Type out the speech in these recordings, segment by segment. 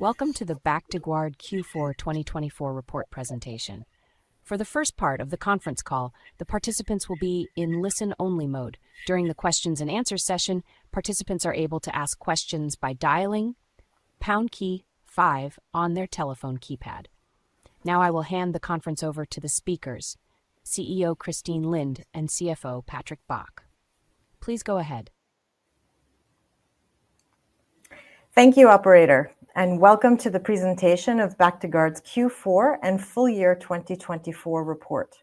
Welcome to the Bactiguard Q4 2024 report presentation. For the first part of the conference call, the participants will be in listen-only mode. During the Q&A session, participants are able to ask questions by dialing pound ke, five on their telephone keypad. Now I will hand the conference over to the speakers, CEO Christine Lind and CFO Patrick Bach. Please go ahead. Thank you, operator, and welcome to the presentation of Bactiguard's Q4 and full year 2024 report.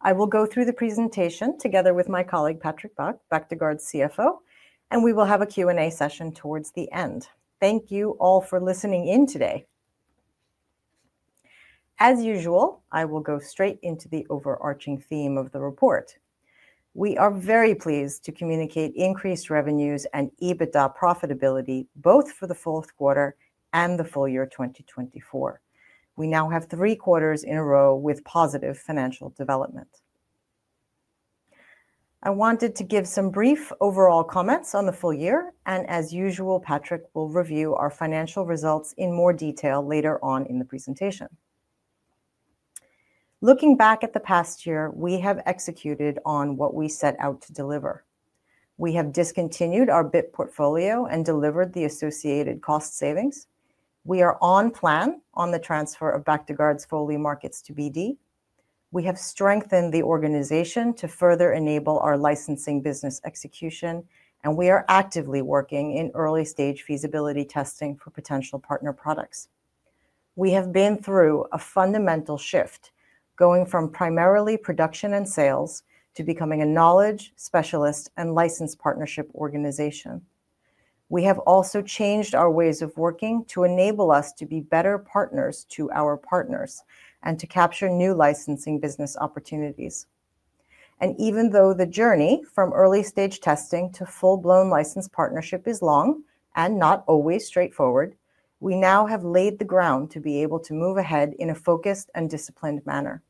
I will go through the presentation together with my colleague Patrick Bach, Bactiguard CFO, and we will have a Q&A session towards the end. Thank you all for listening in today. As usual, I will go straight into the overarching theme of the report. We are very pleased to communicate increased revenues and EBITDA profitability both for the fourth quarter and the full year 2024. We now have three quarters in a row with positive financial development. I wanted to give some brief overall comments on the full year, and as usual, Patrick will review our financial results in more detail later on in the presentation. Looking back at the past year, we have executed on what we set out to deliver. We have discontinued our BIP portfolio and delivered the associated cost savings. We are on plan on the transfer of Bactiguard's Foley markets to BD. We have strengthened the organization to further enable our licensing business execution, and we are actively working in early-stage feasibility testing for potential partner products. We have been through a fundamental shift, going from primarily production and sales to becoming a knowledge specialist and license partnership organization. We have also changed our ways of working to enable us to be better partners to our partners and to capture new licensing business opportunities. Even though the journey from early-stage testing to full-blown license partnership is long and not always straightforward, we now have laid the ground to be able to move ahead in a focused and disciplined manner.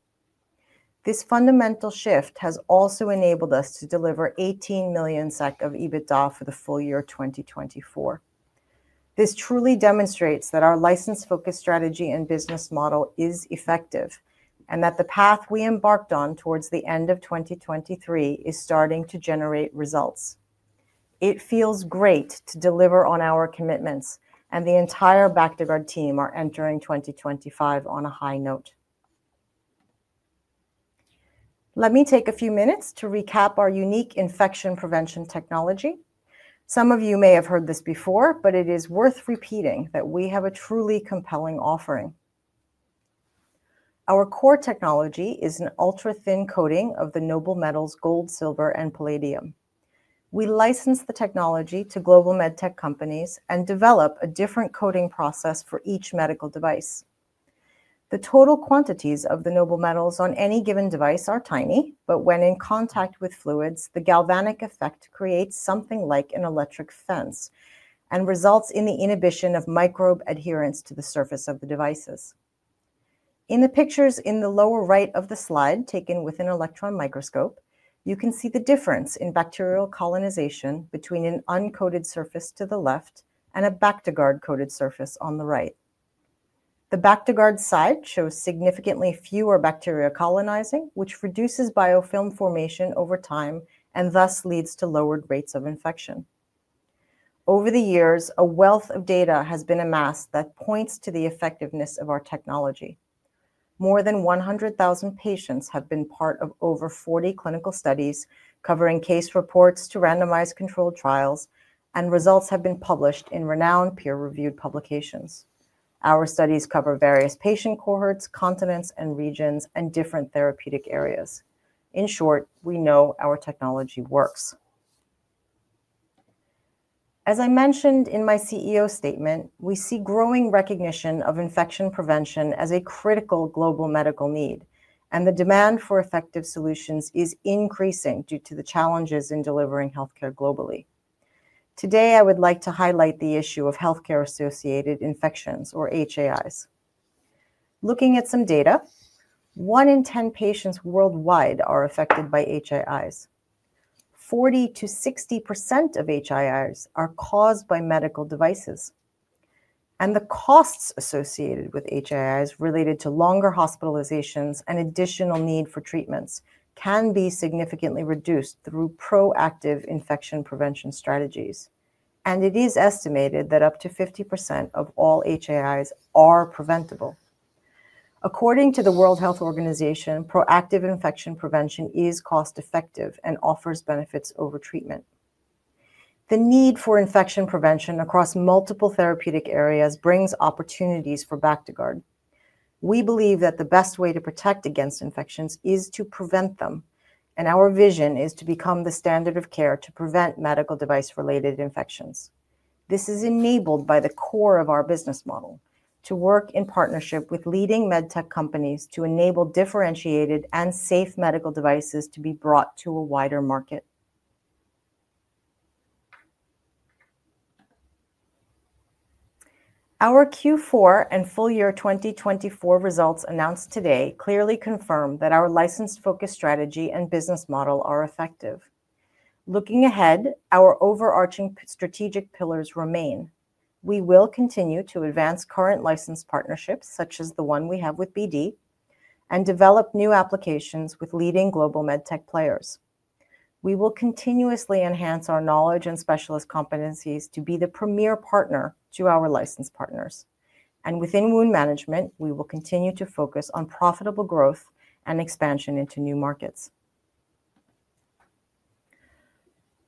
This fundamental shift has also enabled us to deliver 18 million SEK of EBITDA for the full year 2024. This truly demonstrates that our license-focused strategy and business model is effective and that the path we embarked on towards the end of 2023 is starting to generate results. It feels great to deliver on our commitments, and the entire Bactiguard team are entering 2025 on a high note. Let me take a few minutes to recap our unique infection prevention technology. Some of you may have heard this before, but it is worth repeating that we have a truly compelling offering. Our core technology is an ultra-thin coating of the noble metals gold, silver, and palladium. We license the technology to global medtech companies and develop a different coating process for each medical device. The total quantities of the noble metals on any given device are tiny, but when in contact with fluids, the galvanic effect creates something like an electric fence and results in the inhibition of microbe adherence to the surface of the devices. In the pictures in the lower right of the slide taken with an electron microscope, you can see the difference in bacterial colonization between an uncoated surface to the left and a Bactiguard-coated surface on the right. The Bactiguard side shows significantly fewer bacteria colonizing, which reduces biofilm formation over time and thus leads to lowered rates of infection. Over the years, a wealth of data has been amassed that points to the effectiveness of our technology. More than 100,000 patients have been part of over 40 clinical studies covering case reports to randomized controlled trials, and results have been published in renowned peer-reviewed publications. Our studies cover various patient cohorts, continents, and regions, and different therapeutic areas. In short, we know our technology works. As I mentioned in my CEO statement, we see growing recognition of infection prevention as a critical global medical need, and the demand for effective solutions is increasing due to the challenges in delivering healthcare globally. Today, I would like to highlight the issue of healthcare-associated infections, or HAIs. Looking at some data, one in ten patients worldwide are affected by HAIs. 40%-60% of HAIs are caused by medical devices, and the costs associated with HAIs related to longer hospitalizations and additional need for treatments can be significantly reduced through proactive infection prevention strategies, and it is estimated that up to 50% of all HAIs are preventable. According to the World Health Organization, proactive infection prevention is cost-effective and offers benefits over treatment. The need for infection prevention across multiple therapeutic areas brings opportunities for Bactiguard. We believe that the best way to protect against infections is to prevent them, and our vision is to become the standard of care to prevent medical device-related infections. This is enabled by the core of our business model to work in partnership with leading medtech companies to enable differentiated and safe medical devices to be brought to a wider market. Our Q4 and full year 2024 results announced today clearly confirm that our license-focused strategy and business model are effective. Looking ahead, our overarching strategic pillars remain. We will continue to advance current license partnerships, such as the one we have with BD, and develop new applications with leading global medtech players. We will continuously enhance our knowledge and specialist competencies to be the premier partner to our license partners, and within wound management, we will continue to focus on profitable growth and expansion into new markets.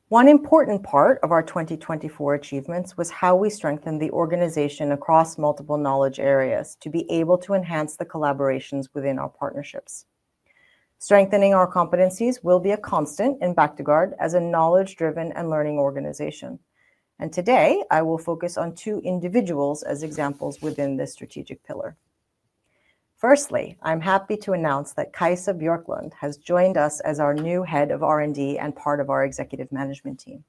One important part of our 2024 achievements was how we strengthened the organization across multiple knowledge areas to be able to enhance the collaborations within our partnerships. Strengthening our competencies will be a constant in Bactiguard as a knowledge-driven and learning organization, and today I will focus on two individuals as examples within this strategic pillar. Firstly, I'm happy to announce that Kajsa Björklund has joined us as our new Head of R&D and part of our executive management team.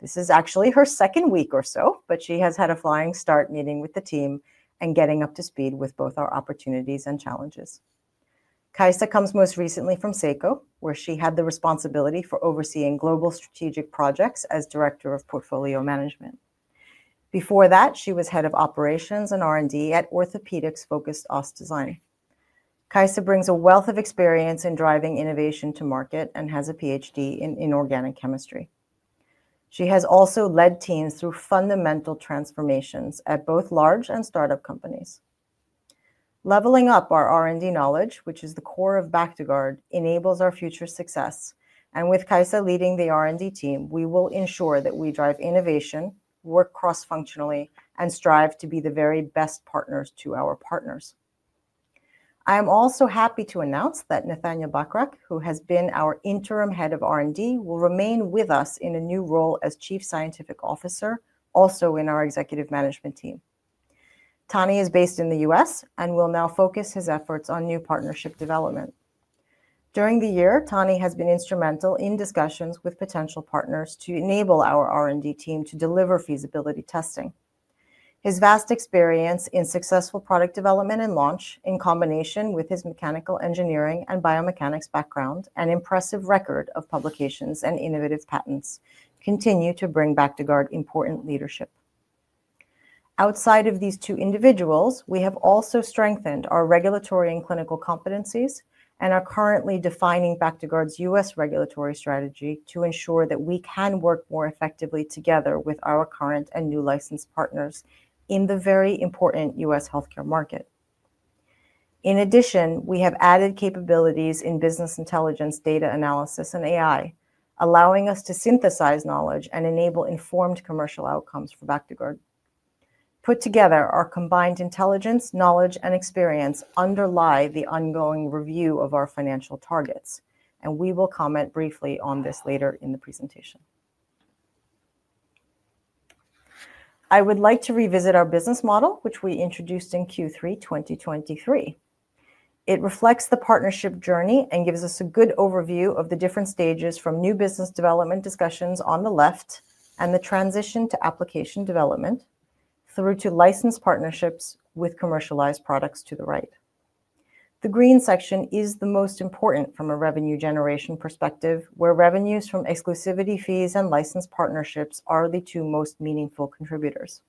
This is actually her second week or so, but she has had a flying start meeting with the team and getting up to speed with both our opportunities and challenges. Kajsa comes most recently from Seiko, where she had the responsibility for overseeing global strategic projects as Director of Portfolio Management. Before that, she was head of operations and R&D at orthopedics-focused OST Design. Kajsa brings a wealth of experience in driving innovation to market and has a PhD in inorganic chemistry. She has also led teams through fundamental transformations at both large and startup companies. Leveling up our R&D knowledge, which is the core of Bactiguard, enables our future success, and with Kajsa leading the R&D team, we will ensure that we drive innovation, work cross-functionally, and strive to be the very best partners to our partners. I am also happy to announce that Nathaniel Bachrach, who has been our Interim Head of R&D, will remain with us in a new role as Chief Scientific Officer, also in our executive management team. Tony is based in the U.S. and will now focus his efforts on new partnership development. During the year, Tony has been instrumental in discussions with potential partners to enable our R&D team to deliver feasibility testing. His vast experience in successful product development and launch, in combination with his mechanical engineering and biomechanics background, and impressive record of publications and innovative patents continue to bring Bactiguard important leadership. Outside of these two individuals, we have also strengthened our regulatory and clinical competencies and are currently defining Bactiguard's U.S. regulatory strategy to ensure that we can work more effectively together with our current and new licensed partners in the very important U.S. healthcare market. In addition, we have added capabilities in business intelligence, data analysis, and AI, allowing us to synthesize knowledge and enable informed commercial outcomes for Bactiguard. Put together, our combined intelligence, knowledge, and experience underlie the ongoing review of our financial targets, and we will comment briefly on this later in the presentation. I would like to revisit our business model, which we introduced in Q3 2023. It reflects the partnership journey and gives us a good overview of the different stages from new business development discussions on the left and the transition to application development through to license partnerships with commercialized products to the right. The green section is the most important from a revenue generation perspective, where revenues from exclusivity fees and license partnerships are the two most meaningful contributors.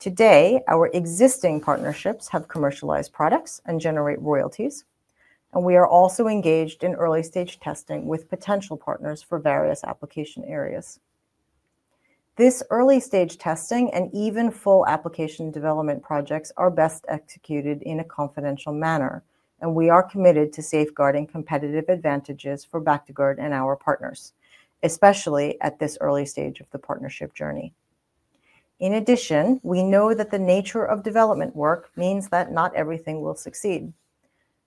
Today, our existing partnerships have commercialized products and generate royalties, and we are also engaged in early-stage testing with potential partners for various application areas. This early-stage testing and even full application development projects are best executed in a confidential manner, and we are committed to safeguarding competitive advantages for Bactiguard and our partners, especially at this early stage of the partnership journey. In addition, we know that the nature of development work means that not everything will succeed,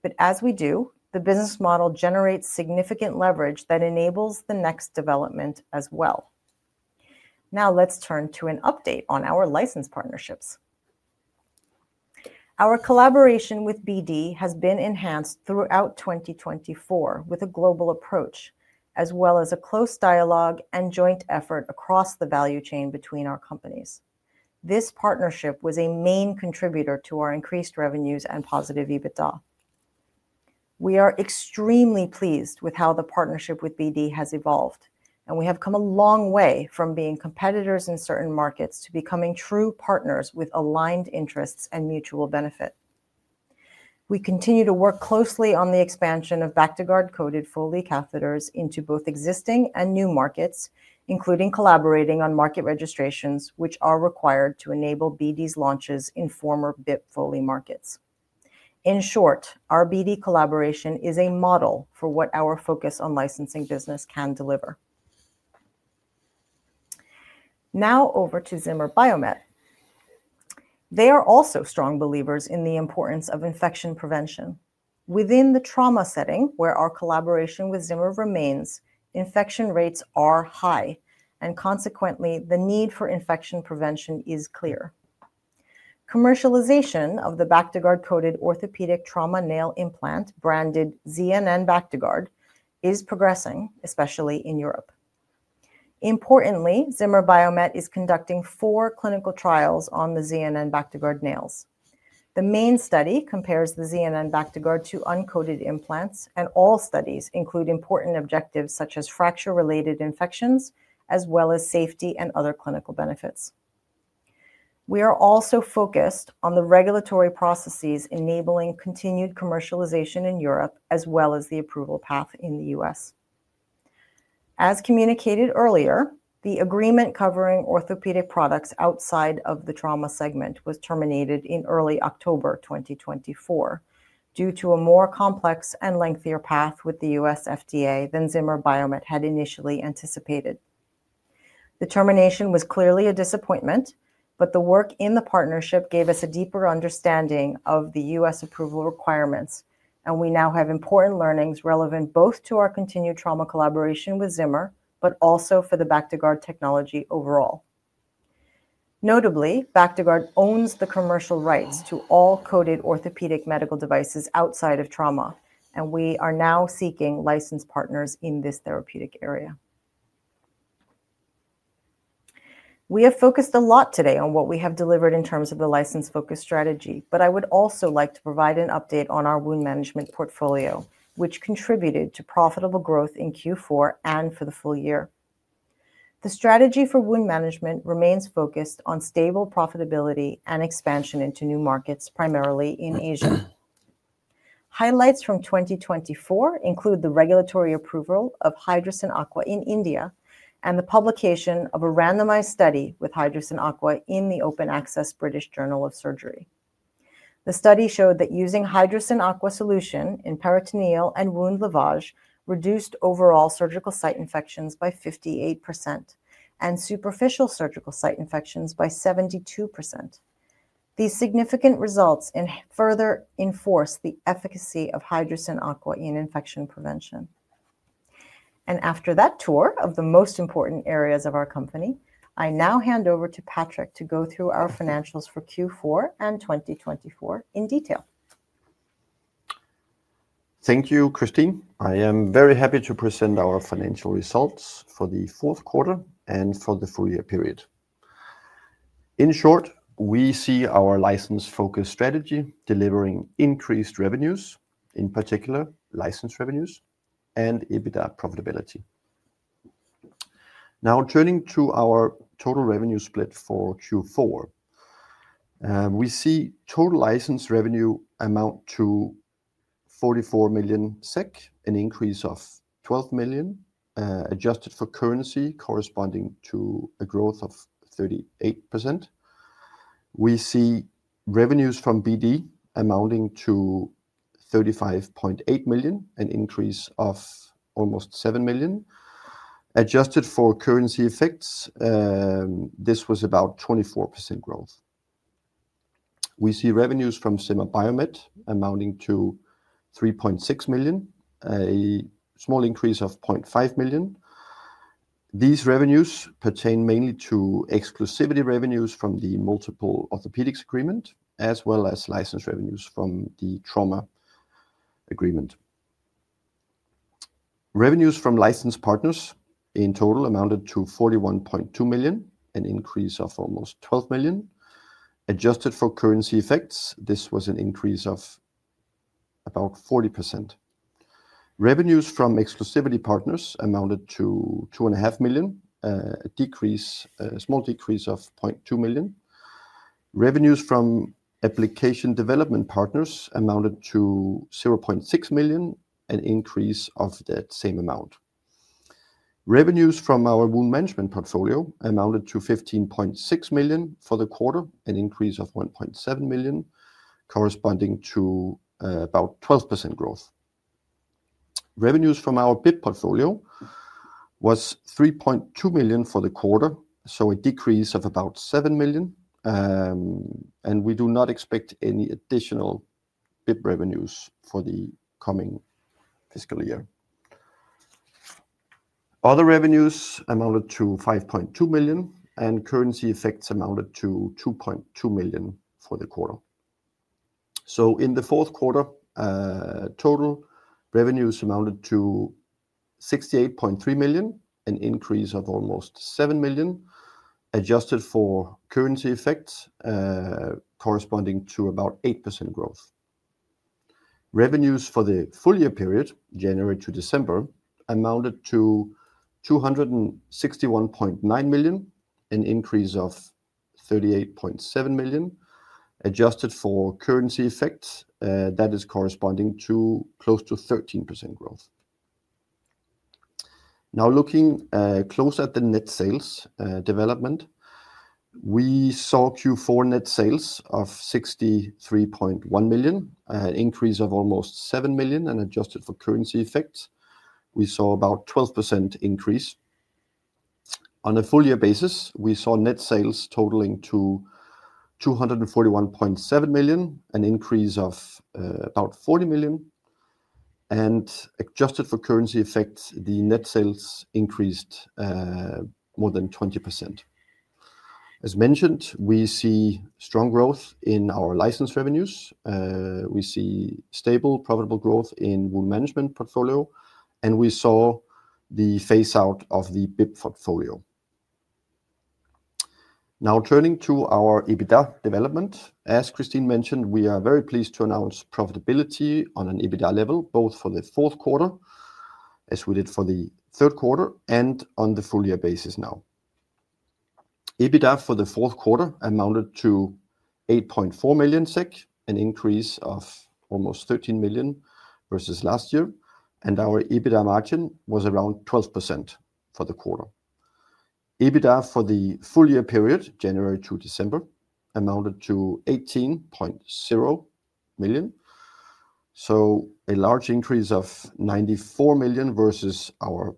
but as we do, the business model generates significant leverage that enables the next development as well. Now let's turn to an update on our license partnerships. Our collaboration with BD has been enhanced throughout 2024 with a global approach, as well as a close dialogue and joint effort across the value chain between our companies. This partnership was a main contributor to our increased revenues and positive EBITDA. We are extremely pleased with how the partnership with BD has evolved, and we have come a long way from being competitors in certain markets to becoming true partners with aligned interests and mutual benefit. We continue to work closely on the expansion of Bactiguard-coated Foley catheters into both existing and new markets, including collaborating on market registrations, which are required to enable BD's launches in former BIP Foley markets. In short, our BD collaboration is a model for what our focus on licensing business can deliver. Now over to Zimmer Biomet. They are also strong believers in the importance of infection prevention. Within the trauma setting, where our collaboration with Zimmer remains, infection rates are high, and consequently, the need for infection prevention is clear. Commercialization of the Bactiguard-coated orthopedic trauma nail implant branded ZNN Bactiguard is progressing, especially in Europe. Importantly, Zimmer Biomet is conducting four clinical trials on the ZNN Bactiguard nails. The main study compares the ZNN Bactiguard to uncoated implants, and all studies include important objectives such as fracture-related infections, as well as safety and other clinical benefits. We are also focused on the regulatory processes enabling continued commercialization in Europe, as well as the approval path in the U.S. As communicated earlier, the agreement covering orthopedic products outside of the trauma segment was terminated in early October 2024 due to a more complex and lengthier path with the U.S. FDA than Zimmer Biomet had initially anticipated. The termination was clearly a disappointment, but the work in the partnership gave us a deeper understanding of the U.S. approval requirements, and we now have important learnings relevant both to our continued trauma collaboration with Zimmer, but also for the Bactiguard technology overall. Notably, Bactiguard owns the commercial rights to all coated orthopedic medical devices outside of trauma, and we are now seeking licensed partners in this therapeutic area. We have focused a lot today on what we have delivered in terms of the license-focused strategy, but I would also like to provide an update on our wound management portfolio, which contributed to profitable growth in Q4 and for the full year. The strategy for wound management remains focused on stable profitability and expansion into new markets, primarily in Asia. Highlights from 2024 include the regulatory approval of Hydrocyn Aqua in India and the publication of a randomized study with Hydrocyn Aqua in the Open Access British Journal of Surgery. The study showed that using Hydrocyn Aqua solution in peritoneal and wound lavage reduced overall surgical site infections by 58% and superficial surgical site infections by 72%. These significant results further enforce the efficacy of Hydrocyn Aqua in infection prevention. After that tour of the most important areas of our company, I now hand over to Patrick to go through our financials for Q4 and 2024 in detail. Thank you, Christine. I am very happy to present our financial results for the fourth quarter and for the full year period. In short, we see our license-focused strategy delivering increased revenues, in particular license revenues and EBITDA profitability. Now turning to our total revenue split for Q4, we see total license revenue amount to 44 million SEK, an increase of 12 million, adjusted for currency corresponding to a growth of 38%. We see revenues from BD amounting to 35.8 million, an increase of almost 7 million. Adjusted for currency effects, this was about 24% growth. We see revenues from Zimmer Biomet amounting to 3.6 million, a small increase of 0.5 million. These revenues pertain mainly to exclusivity revenues from the multiple orthopedics agreement, as well as license revenues from the trauma agreement. Revenues from license partners in total amounted to 41.2 million, an increase of almost 12 million. Adjusted for currency effects, this was an increase of about 40%. Revenues from exclusivity partners amounted to 2.5 million, a small decrease of 0.2 million. Revenues from application development partners amounted to 0.6 million, an increase of that same amount. Revenues from our wound management portfolio amounted to 15.6 million for the quarter, an increase of 1.7 million, corresponding to about 12% growth. Revenues from our BIP portfolio was 3.2 million for the quarter, so a decrease of about 7 million, and we do not expect any additional BIP revenues for the coming fiscal year. Other revenues amounted to 5.2 million, and currency effects amounted to 2.2 million for the quarter. In the fourth quarter, total revenues amounted to 68.3 million, an increase of almost 7 million, adjusted for currency effects corresponding to about 8% growth. Revenues for the full year period, January to December, amounted to 261.9 million, an increase of 38.7 million, adjusted for currency effects that is corresponding to close to 13% growth. Now looking close at the net sales development, we saw Q4 net sales of 63.1 million, an increase of almost 7 million, and adjusted for currency effects, we saw about 12% increase. On a full year basis, we saw net sales totaling 241.7 million, an increase of about 40 million, and adjusted for currency effects, the net sales increased more than 20%. As mentioned, we see strong growth in our license revenues. We see stable profitable growth in wound management portfolio, and we saw the phase-out of the BIP portfolio. Now turning to our EBITDA development, as Christine mentioned, we are very pleased to announce profitability on an EBITDA level, both for the fourth quarter as we did for the third quarter and on the full year basis now. EBITDA for the fourth quarter amounted to 8.4 million SEK, an increase of almost 13 million versus last year, and our EBITDA margin was around 12% for the quarter. EBITDA for the full year period, January to December, amounted to 18.0 million, so a large increase of 94 million versus our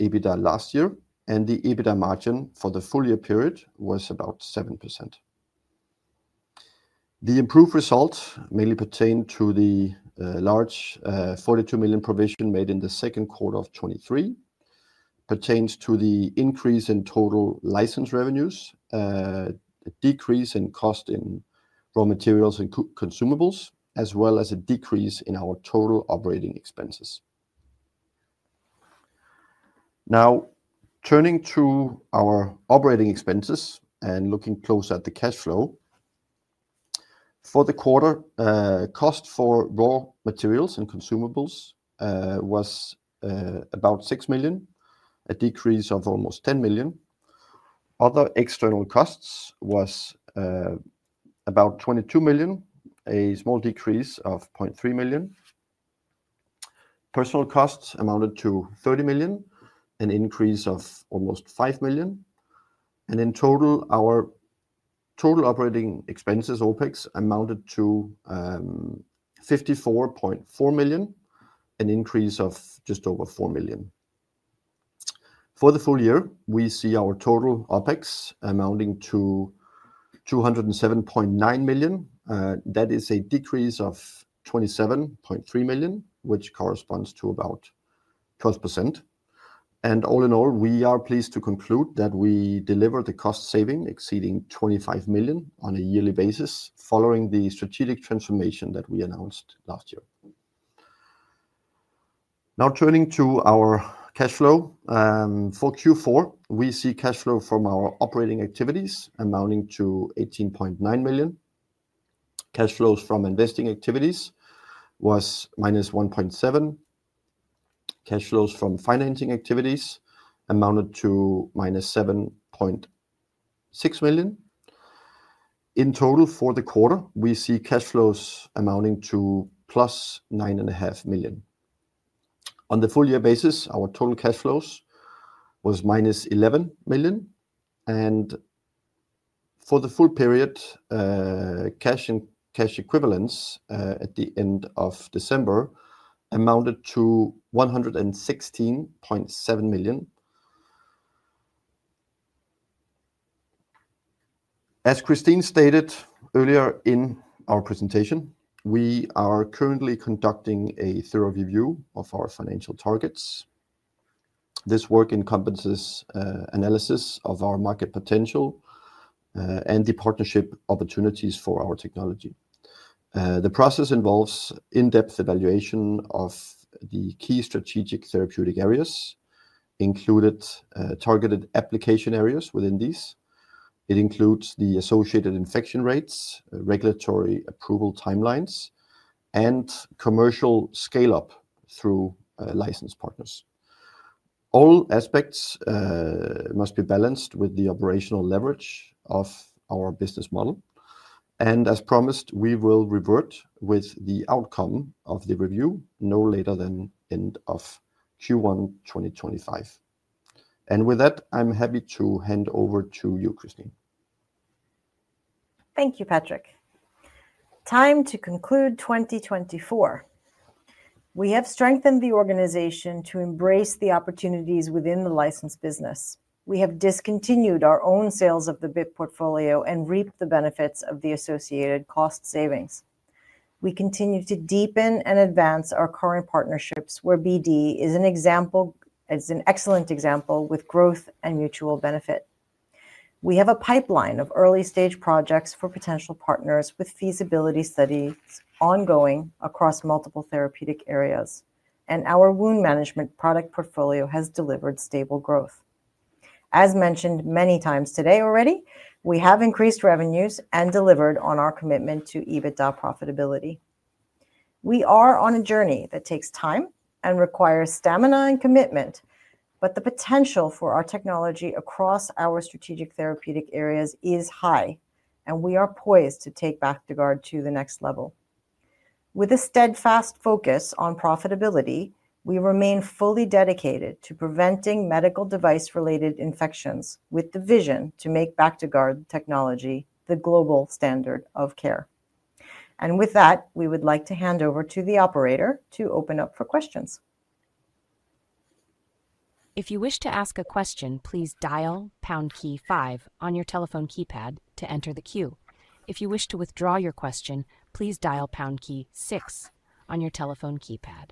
EBITDA last year, and the EBITDA margin for the full year period was about 7%. The improved result mainly pertained to the large 42 million provision made in the second quarter of 2023, pertains to the increase in total license revenues, a decrease in cost in raw materials and consumables, as well as a decrease in our total operating expenses. Now turning to our operating expenses and looking close at the cash flow, for the quarter, cost for raw materials and consumables was about 6 million, a decrease of almost 10 million. Other external costs was about 22 million, a small decrease of 0.3 million. Personnel costs amounted to 30 million, an increase of almost 5 million, and in total, our total operating expenses, OpEx, amounted to 54.4 million, an increase of just over 4 million. For the full year, we see our total OpEx amounting to 207.9 million. That is a decrease of 27.3 million, which corresponds to about 12%. All in all, we are pleased to conclude that we delivered a cost saving exceeding 25 million on a yearly basis following the strategic transformation that we announced last year. Now turning to our cash flow, for Q4, we see cash flow from our operating activities amounting to 18.9 million. Cash flows from investing activities was -1.7 million. Cash flows from financing activities amounted to -7.6 million. In total, for the quarter, we see cash flows amounting to +9.5 million. On the full year basis, our total cash flows was -11 million, and for the full period, cash and cash equivalents at the end of December amounted to SEK 116.7 million. As Christine stated earlier in our presentation, we are currently conducting a thorough review of our financial targets. This work encompasses analysis of our market potential and the partnership opportunities for our technology. The process involves in-depth evaluation of the key strategic therapeutic areas, included targeted application areas within these. It includes the associated infection rates, regulatory approval timelines, and commercial scale-up through license partners. All aspects must be balanced with the operational leverage of our business model, and as promised, we will revert with the outcome of the review no later than end of Q1 2025. I am happy to hand over to you, Christine. Thank you, Patrick. Time to conclude 2024. We have strengthened the organization to embrace the opportunities within the license business. We have discontinued our own sales of the BIP portfolio and reaped the benefits of the associated cost savings. We continue to deepen and advance our current partnerships, where BD is an excellent example with growth and mutual benefit. We have a pipeline of early-stage projects for potential partners with feasibility studies ongoing across multiple therapeutic areas, and our wound management product portfolio has delivered stable growth. As mentioned many times today already, we have increased revenues and delivered on our commitment to EBITDA profitability. We are on a journey that takes time and requires stamina and commitment, but the potential for our technology across our strategic therapeutic areas is high, and we are poised to take Bactiguard to the next level. With a steadfast focus on profitability, we remain fully dedicated to preventing medical device-related infections, with the vision to make Bactiguard technology the global standard of care. With that, we would like to hand over to the operator to open up for questions. If you wish to ask a question, please dial pound key five on your telephone keypad to enter the queue. If you wish to withdraw your question, please dial pound key six on your telephone keypad.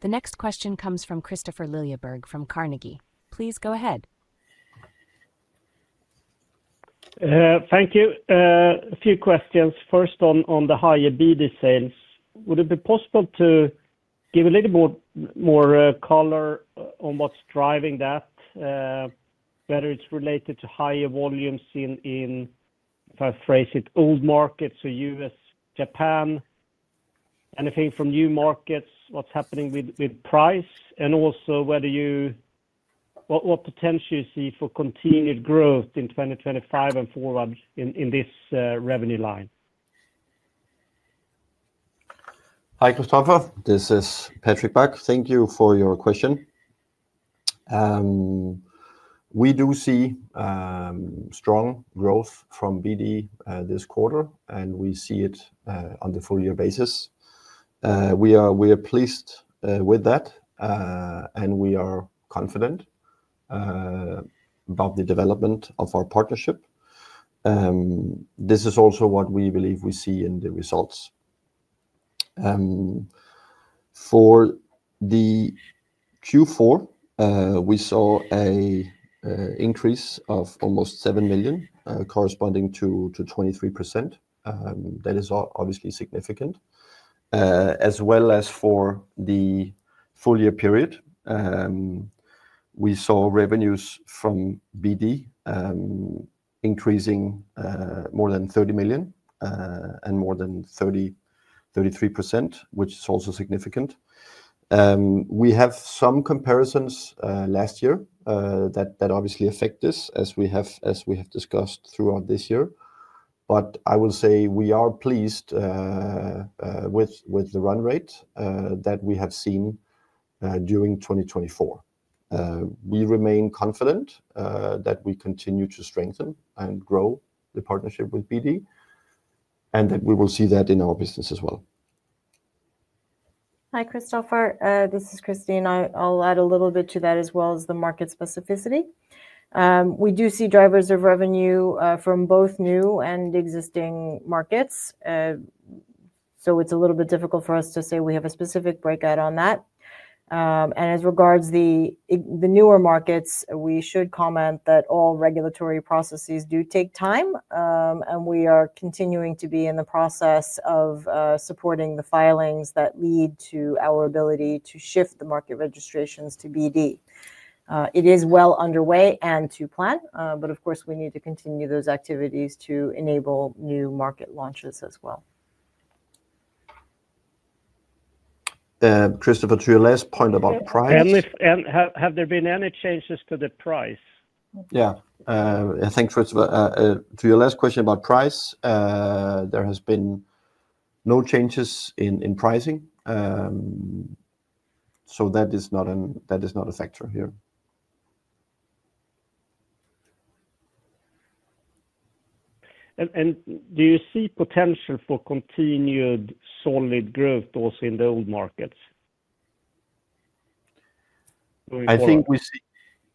The next question comes from Kristofer Liljeberg from Carnegie. Please go ahead. Thank you. A few questions. First, on the higher BD sales, would it be possible to give a little more color on what's driving that, whether it's related to higher volumes in, if I phrase it, old markets, so U.S., Japan, anything from new markets, what's happening with price, and also what potential you see for continued growth in 2025 and forward in this revenue line? Hi, Kristofer. This is Patrick Bach. Thank you for your question. We do see strong growth from BD this quarter, and we see it on the full year basis. We are pleased with that, and we are confident about the development of our partnership. This is also what we believe we see in the results. For the Q4, we saw an increase of almost 7 million, corresponding to 23%. That is obviously significant. As well as for the full year period, we saw revenues from BD increasing more than 30 million and more than 33%, which is also significant. We have some comparisons last year that obviously affect this, as we have discussed throughout this year, but I will say we are pleased with the run rate that we have seen during 2024. We remain confident that we continue to strengthen and grow the partnership with BD, and that we will see that in our business as well. Hi, Kristofer. This is Christine. I'll add a little bit to that as well as the market specificity. We do see drivers of revenue from both new and existing markets, so it's a little bit difficult for us to say we have a specific breakout on that. As regards the newer markets, we should comment that all regulatory processes do take time, and we are continuing to be in the process of supporting the filings that lead to our ability to shift the market registrations to BD. It is well underway and to plan, but of course, we need to continue those activities to enable new market launches as well. Kristofer to your last point about price. Have there been any changes to the price? Yeah. I think, Kristofer, to your last question about price, there have been no changes in pricing, so that is not a factor here. Do you see potential for continued solid growth also in the old markets? I think we see.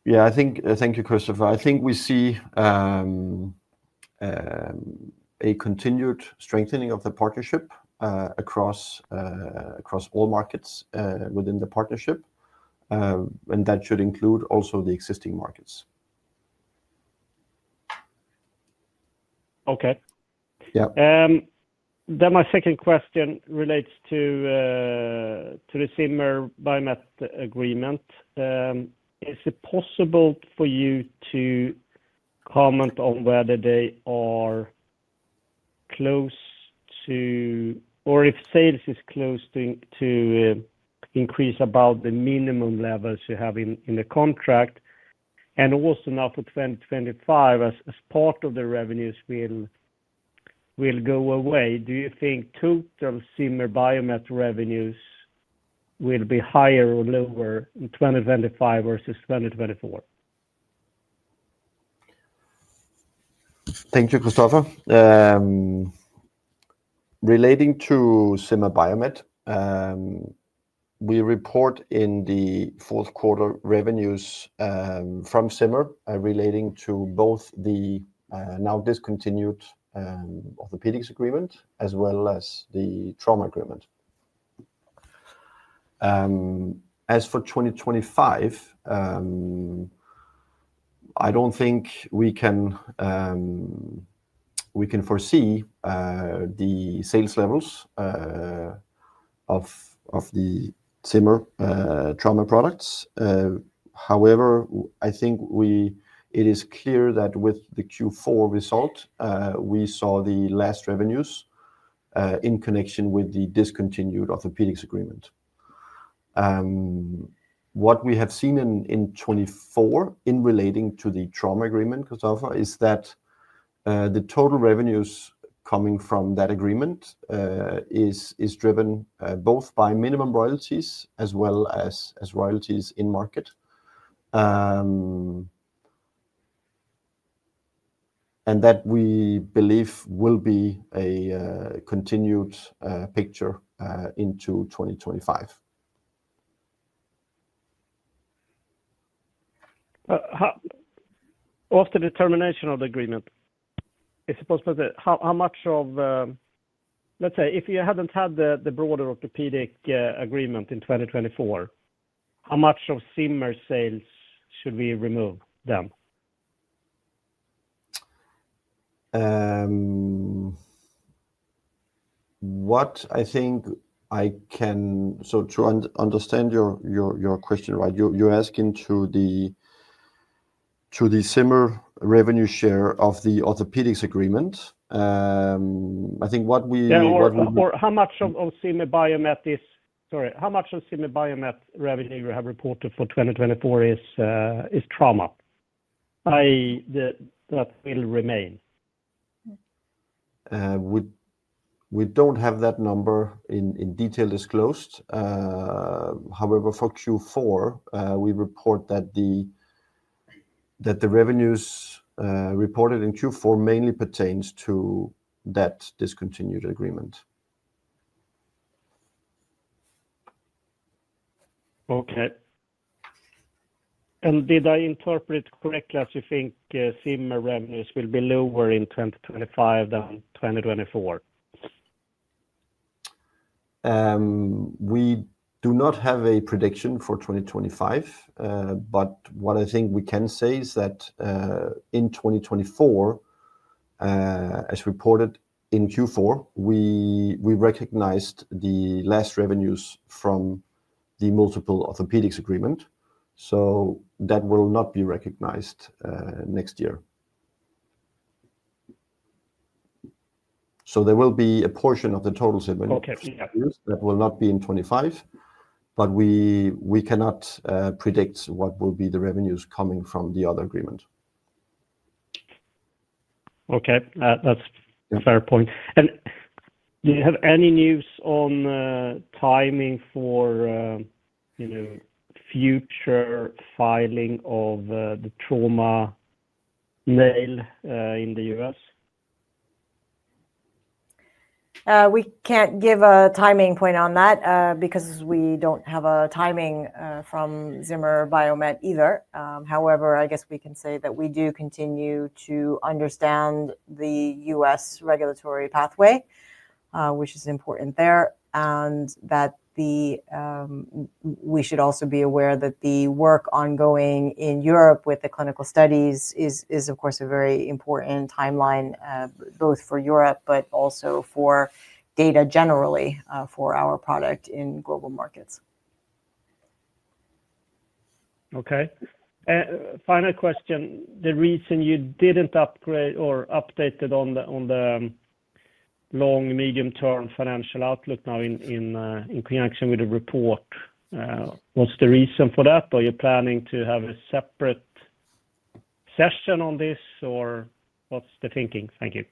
Yeah, I thank you, Kristofer. I think we see a continued strengthening of the partnership across all markets within the partnership, and that should include also the existing markets. Okay. My second question relates to the Zimmer Biomet agreement. Is it possible for you to comment on whether they are close to, or if sales is close to increase above the minimum levels you have in the contract? Also, now for 2025, as part of the revenues will go away, do you think total Zimmer Biomet revenues will be higher or lower in 2025 versus 2024? Thank you, Kristofer. Relating to Zimmer Biomet, we report in the fourth quarter revenues from Zimmer relating to both the now discontinued orthopedics agreement as well as the trauma agreement. As for 2025, I do not think we can foresee the sales levels of the Zimmer trauma products. However, I think it is clear that with the Q4 result, we saw the last revenues in connection with the discontinued orthopedics agreement. What we have seen in 2024 in relating to the trauma agreement, Kristofer, is that the total revenues coming from that agreement is driven both by minimum royalties as well as royalties in market, and that we believe will be a continued picture into 2025. After the termination of the agreement, it's possible that how much of, let's say, if you hadn't had the broader orthopedic agreement in 2024, how much of Zimmer Biomet sales should we remove then? What I think I can, so to understand your question right, you're asking to the Zimmer revenue share of the orthopedics agreement. I think what we. How much of Zimmer Biomet is, sorry, how much of Zimmer Biomet revenue you have reported for 2024 is trauma that will remain? We don't have that number in detail disclosed. However, for Q4, we report that the revenues reported in Q4 mainly pertains to that discontinued agreement. Okay. Did I interpret correctly as you think Zimmer revenues will be lower in 2025 than 2024? We do not have a prediction for 2025, but what I think we can say is that in 2024, as reported in Q4, we recognized the last revenues from the multiple orthopedics agreement, so that will not be recognized next year. There will be a portion of the total revenues that will not be in 2025, but we cannot predict what will be the revenues coming from the other agreement. Okay. That's a fair point. Do you have any news on timing for future filing of the trauma nail in the U.S.? We can't give a timing point on that because we don't have a timing from Zimmer Biomet either. However, I guess we can say that we do continue to understand the U.S. regulatory pathway, which is important there, and that we should also be aware that the work ongoing in Europe with the clinical studies is, of course, a very important timeline both for Europe but also for data generally for our product in global markets. Okay. Final question. The reason you did not upgrade or update on the long medium-term financial outlook now in connection with the report, what is the reason for that? Are you planning to have a separate session on this, or what is the thinking? Thank you.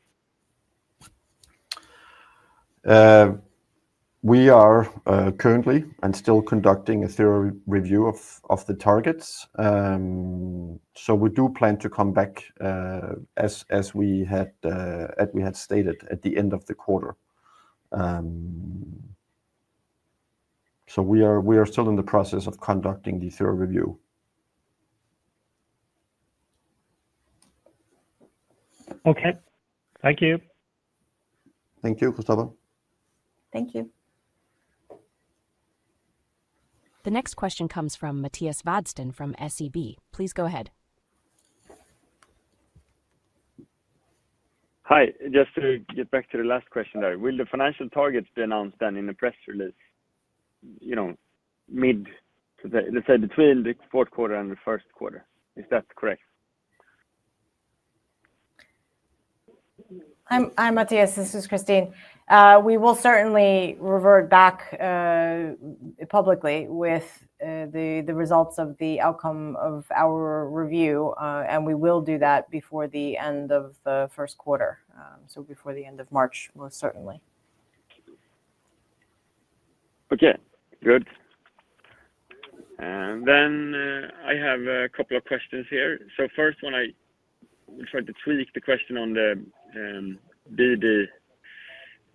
We are currently and still conducting a thorough review of the targets. We do plan to come back as we had stated at the end of the quarter. We are still in the process of conducting the thorough review. Okay. Thank you. Thank you, Kristofer. Thank you. The next question comes from Mattias Vadsten from SEB. Please go ahead. Hi. Just to get back to the last question there, will the financial targets be announced then in the press release mid-let's say between the fourth quarter and the first quarter? Is that correct? Hi, Mattias. This is Christine. We will certainly revert back publicly with the results of the outcome of our review, and we will do that before the end of the first quarter, so before the end of March, most certainly. Okay. Good. I have a couple of questions here. First, when I tried to tweak the question on the BD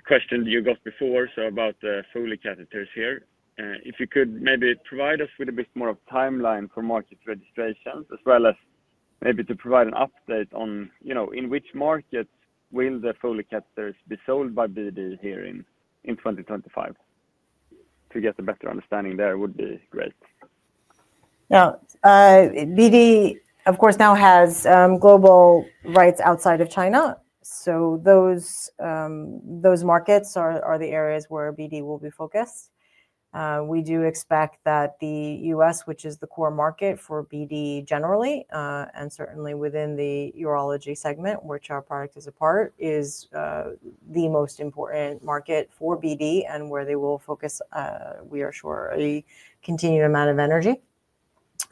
question that you got before, about the Foley catheters here, if you could maybe provide us with a bit more of a timeline for market registrations as well as maybe provide an update on in which markets will the Foley catheters be sold by BD here in 2025? To get a better understanding there would be great. Yeah. BD, of course, now has global rights outside of China, so those markets are the areas where BD will be focused. We do expect that the U.S., which is the core market for BD generally, and certainly within the urology segment, which our product is a part, is the most important market for BD and where they will focus, we are sure, a continued amount of energy.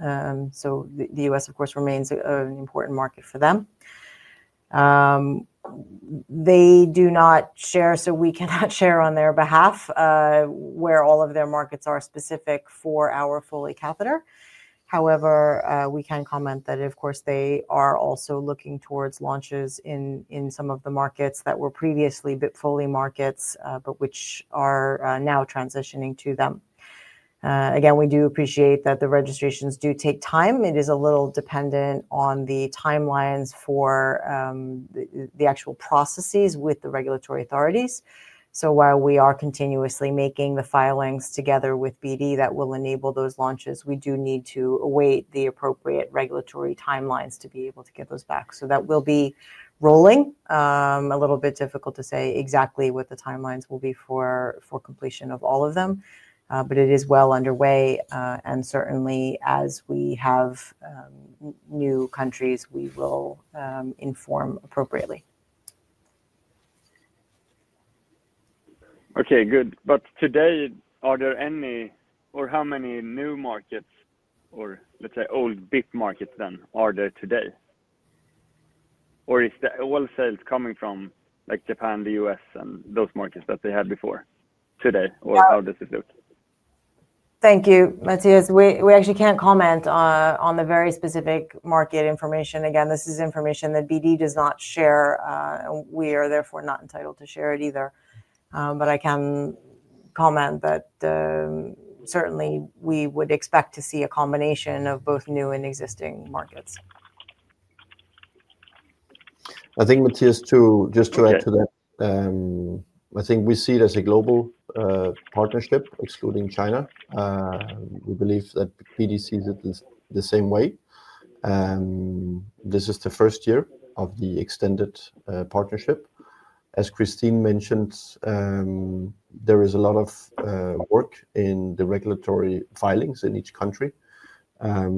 The U.S., of course, remains an important market for them. They do not share, so we cannot share on their behalf where all of their markets are specific for our Foley catheter. However, we can comment that, of course, they are also looking towards launches in some of the markets that were previously Foley markets, but which are now transitioning to them. We do appreciate that the registrations do take time. It is a little dependent on the timelines for the actual processes with the regulatory authorities. While we are continuously making the filings together with BD that will enable those launches, we do need to await the appropriate regulatory timelines to be able to get those back. That will be rolling. A little bit difficult to say exactly what the timelines will be for completion of all of them, but it is well underway. Certainly, as we have new countries, we will inform appropriately. Okay. Good. Today, are there any or how many new markets or, let's say, old BIP markets then are there today? Is the old sales coming from Japan, the U.S., and those markets that they had before today? How does it look? Thank you, Mattias. We actually can't comment on the very specific market information. Again, this is information that BD does not share, and we are therefore not entitled to share it either. I can comment that certainly we would expect to see a combination of both new and existing markets. I think, Mattias, too, just to add to that, I think we see it as a global partnership, excluding China. We believe that BD sees it the same way. This is the first year of the extended partnership. As Christine mentioned, there is a lot of work in the regulatory filings in each country, but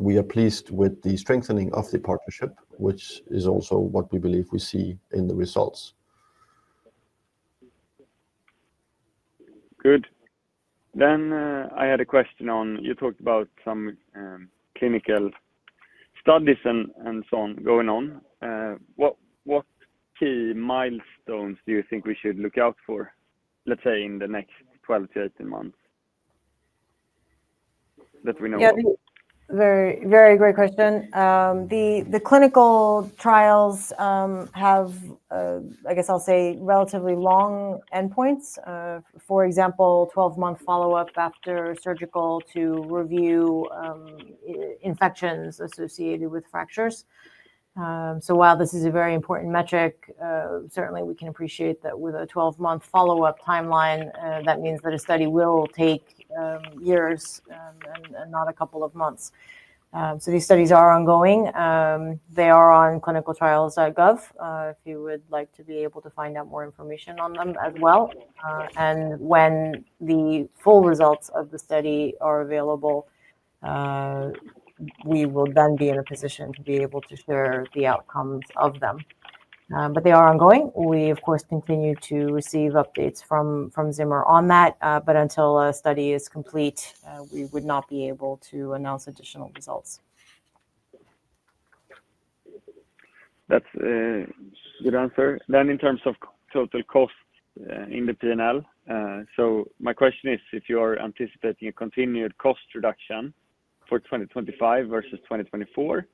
we are pleased with the strengthening of the partnership, which is also what we believe we see in the results. Good. I had a question on you talked about some clinical studies and so on going on. What key milestones do you think we should look out for, let's say, in the next 12-18 months that we know of. Very great question. The clinical trials have, I guess I'll say, relatively long endpoints. For example, 12-month follow-up after surgical to review infections associated with fractures. While this is a very important metric, certainly we can appreciate that with a 12-month follow-up timeline, that means that a study will take years and not a couple of months. These studies are ongoing. They are on clinicaltrials.gov, if you would like to be able to find out more information on them as well. When the full results of the study are available, we will then be in a position to be able to share the outcomes of them. They are ongoing. We, of course, continue to receive updates from Zimmer on that, but until a study is complete, we would not be able to announce additional results. That's a good answer. In terms of total cost in the P&L, my question is if you are anticipating a continued cost reduction for 2025 versus 2024.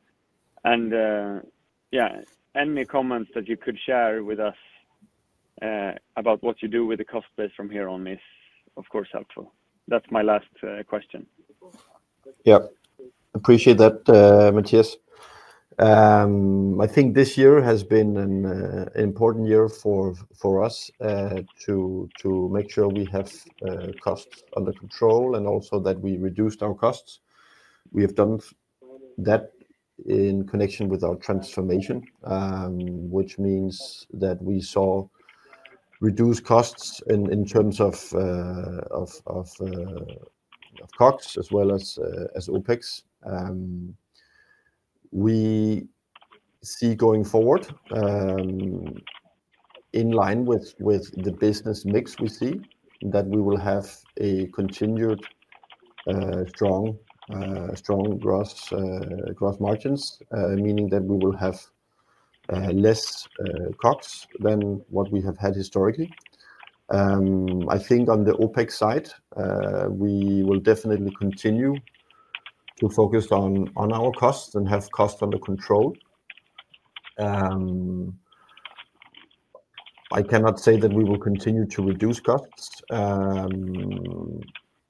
Any comments that you could share with us about what you do with the cost base from here on is, of course, helpful. That's my last question. Yeah. Appreciate that, Mattias.I think this year has been an important year for us to make sure we have costs under control and also that we reduced our costs. We have done that in connection with our transformation, which means that we saw reduced costs in terms of CapEx as well as OpEx. We see going forward in line with the business mix we see that we will have continued strong gross margins, meaning that we will have less CapEx than what we have had historically. I think on the OpEx side, we will definitely continue to focus on our costs and have costs under control. I cannot say that we will continue to reduce costs.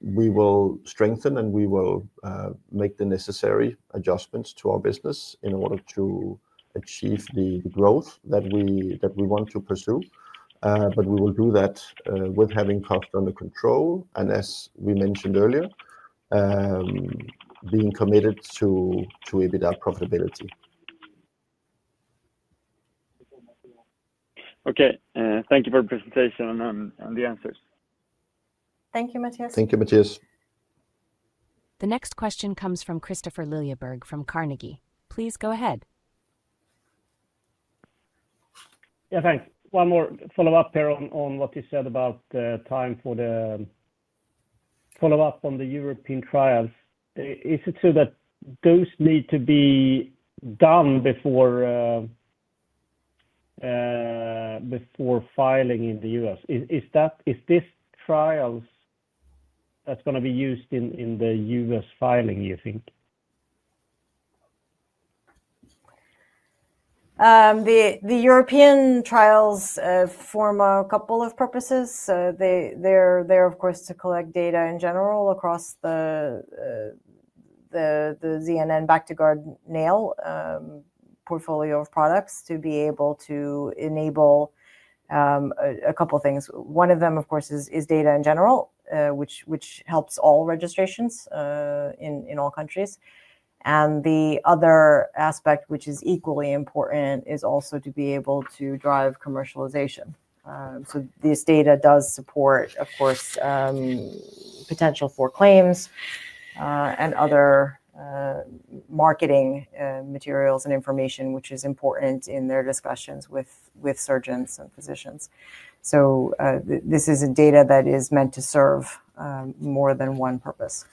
We will strengthen and we will make the necessary adjustments to our business in order to achieve the growth that we want to pursue. We will do that with having costs under control and, as we mentioned earlier, being committed to EBITDA profitability. Okay. Thank you for the presentation and the answers. Thank you, Mattias. Thank you, Mattias. The next question comes from Kristofer Liljeberg from Carnegie. Please go ahead. Yeah. Thanks. One more follow-up here on what you said about the time for the follow-up on the European trials. Is it so that those need to be done before filing in the U.S.? Is this trials that's going to be used in the U.S. filing, you think? The European trials form a couple of purposes. They're, of course, to collect data in general across the ZNN Bactiguard nail portfolio of products to be able to enable a couple of things. One of them, of course, is data in general, which helps all registrations in all countries. The other aspect, which is equally important, is also to be able to drive commercialization. This data does support, of course, potential for claims and other marketing materials and information, which is important in their discussions with surgeons and physicians. This is data that is meant to serve more than one purpose.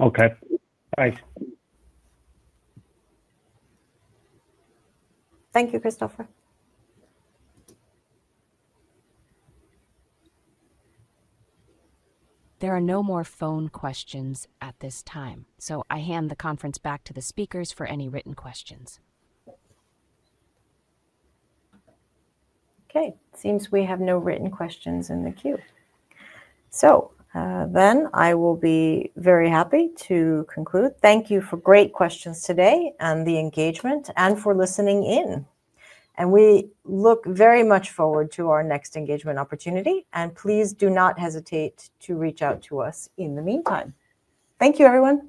Okay. Thanks. Thank you, Kristofer. There are no more phone questions at this time, so I hand the conference back to the speakers for any written questions. Okay. It seems we have no written questions in the queue. I will be very happy to conclude. Thank you for great questions today and the engagement and for listening in. We look very much forward to our next engagement opportunity. Please do not hesitate to reach out to us in the meantime. Thank you, everyone.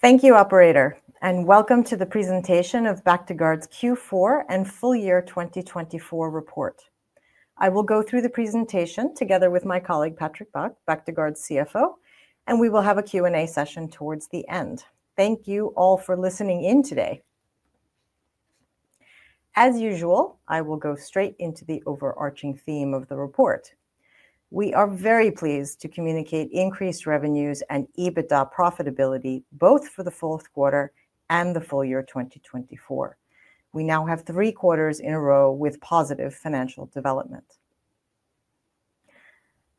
Thank you, operator. Welcome to the presentation of Bactiguard's Q4 and full year 2024 report. I will go through the presentation together with my colleague, Patrick Bach, Bactiguard's CFO, and we will have a Q&A session towards the end. Thank you all for listening in today. As usual, I will go straight into the overarching theme of the report. We are very pleased to communicate increased revenues and EBITDA profitability both for the fourth quarter and the full year 2024. We now have three quarters in a row with positive financial development.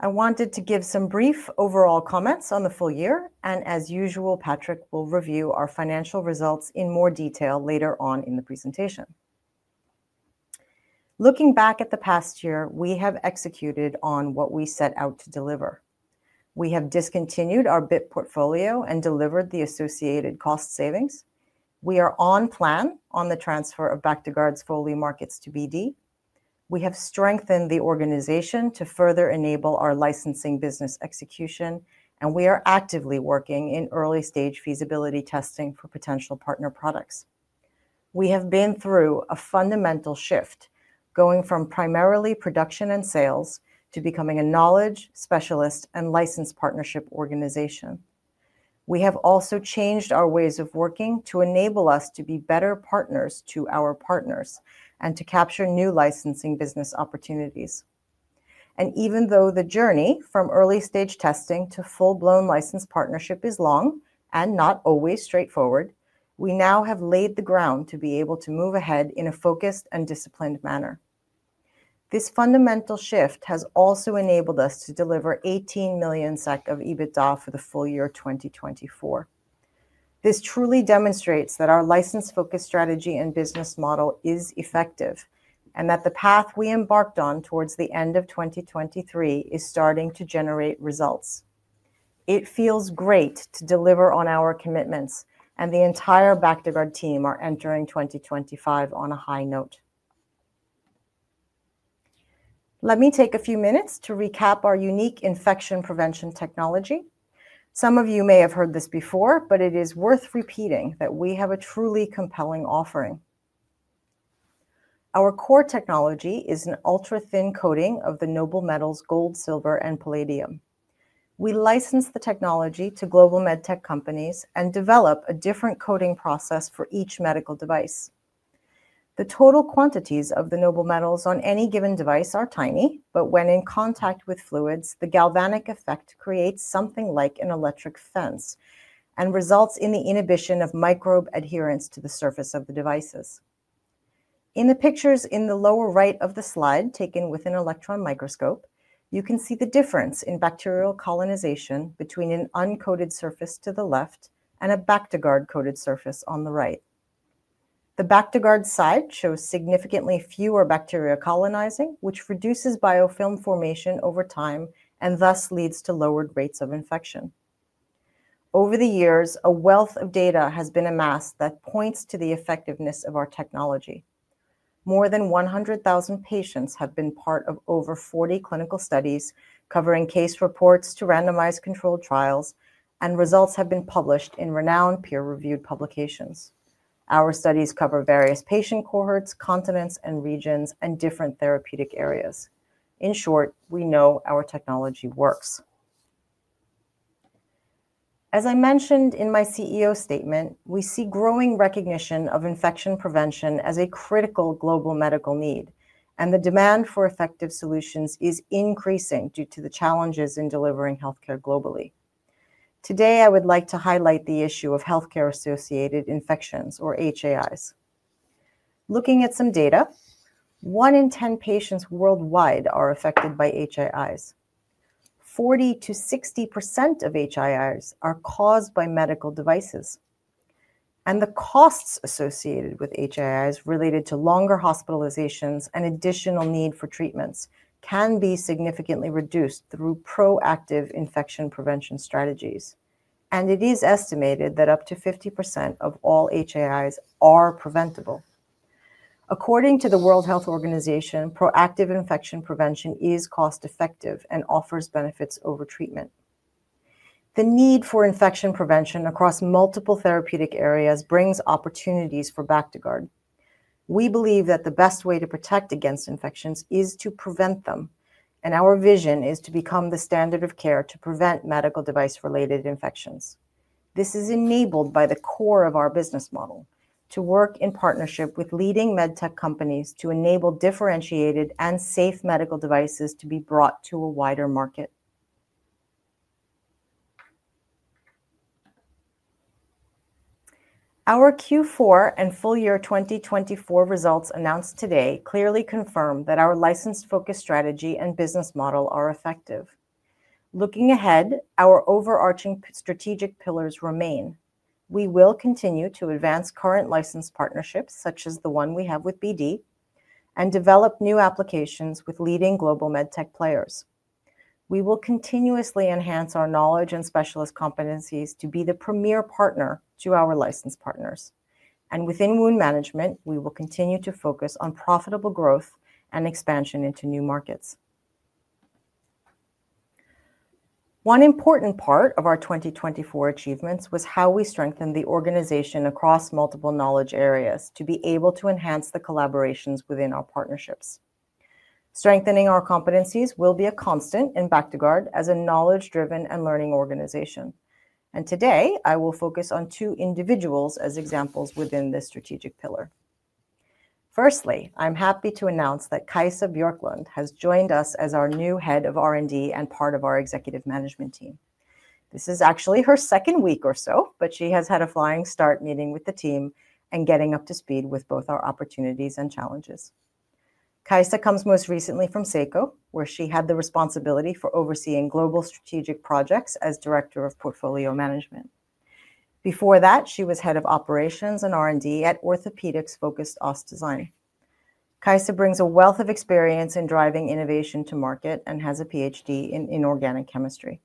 I wanted to give some brief overall comments on the full year. As usual, Patrick will review our financial results in more detail later on in the presentation. Looking back at the past year, we have executed on what we set out to deliver. We have discontinued our BIP portfolio and delivered the associated cost savings. We are on plan on the transfer of Bactiguard's Foley markets to BD. We have strengthened the organization to further enable our licensing business execution, and we are actively working in early-stage feasibility testing for potential partner products. We have been through a fundamental shift going from primarily production and sales to becoming a knowledge specialist and license partnership organization. We have also changed our ways of working to enable us to be better partners to our partners and to capture new licensing business opportunities. Even though the journey from early-stage testing to full-blown license partnership is long and not always straightforward, we now have laid the ground to be able to move ahead in a focused and disciplined manner. This fundamental shift has also enabled us to deliver 18 million SEK of EBITDA for the full year 2024. This truly demonstrates that our license-focused strategy and business model is effective and that the path we embarked on towards the end of 2023 is starting to generate results. It feels great to deliver on our commitments, and the entire Bactiguard team are entering 2025 on a high note. Let me take a few minutes to recap our unique infection prevention technology. Some of you may have heard this before, but it is worth repeating that we have a truly compelling offering. Our core technology is an ultra-thin coating of the noble metals gold, silver, and palladium. We license the technology to global medtech companies and develop a different coating process for each medical device. The total quantities of the noble metals on any given device are tiny, but when in contact with fluids, the galvanic effect creates something like an electric fence and results in the inhibition of microbe adherence to the surface of the devices. In the pictures in the lower right of the slide taken with an electron microscope, you can see the difference in bacterial colonization between an uncoated surface to the left and a Bactiguard coated surface on the right. The Bactiguard side shows significantly fewer bacteria colonizing, which reduces biofilm formation over time and thus leads to lowered rates of infection. Over the years, a wealth of data has been amassed that points to the effectiveness of our technology. More than 100,000 patients have been part of over 40 clinical studies covering case reports to randomized controlled trials, and results have been published in renowned peer-reviewed publications. Our studies cover various patient cohorts, continents, and regions, and different therapeutic areas. In short, we know our technology works. As I mentioned in my CEO statement, we see growing recognition of infection prevention as a critical global medical need, and the demand for effective solutions is increasing due to the challenges in delivering healthcare globally. Today, I would like to highlight the issue of healthcare-associated infections, or HAIs. Looking at some data, one in 10 patients worldwide are affected by HAIs. 40%-60% of HAIs are caused by medical devices. The costs associated with HAIs related to longer hospitalizations and additional need for treatments can be significantly reduced through proactive infection prevention strategies. It is estimated that up to 50% of all HAIs are preventable. According to the World Health Organization, proactive infection prevention is cost-effective and offers benefits over treatment. The need for infection prevention across multiple therapeutic areas brings opportunities for Bactiguard. We believe that the best way to protect against infections is to prevent them, and our vision is to become the standard of care to prevent medical device-related infections. This is enabled by the core of our business model to work in partnership with leading medtech companies to enable differentiated and safe medical devices to be brought to a wider market. Our Q4 and full year 2024 results announced today clearly confirm that our license-focused strategy and business model are effective. Looking ahead, our overarching strategic pillars remain. We will continue to advance current license partnerships, such as the one we have with BD, and develop new applications with leading global medtech players. We will continuously enhance our knowledge and specialist competencies to be the premier partner to our license partners. Within wound management, we will continue to focus on profitable growth and expansion into new markets. One important part of our 2024 achievements was how we strengthened the organization across multiple knowledge areas to be able to enhance the collaborations within our partnerships. Strengthening our competencies will be a constant in Bactiguard as a knowledge-driven and learning organization. Today, I will focus on two individuals as examples within this strategic pillar. Firstly, I'm happy to announce that Kajsa Björklund has joined us as our new Head of R&D and part of our executive management team. This is actually her second week or so, but she has had a flying start meeting with the team and getting up to speed with both our opportunities and challenges. Kajsa comes most recently from Seiko, where she had the responsibility for overseeing global strategic projects as Director of Portfolio Management. Before that, she was Head of Operations and R&D at orthopedics-focused OST Design. Kajsa brings a wealth of experience in driving innovation to market and has a PhD in inorganic chemistry.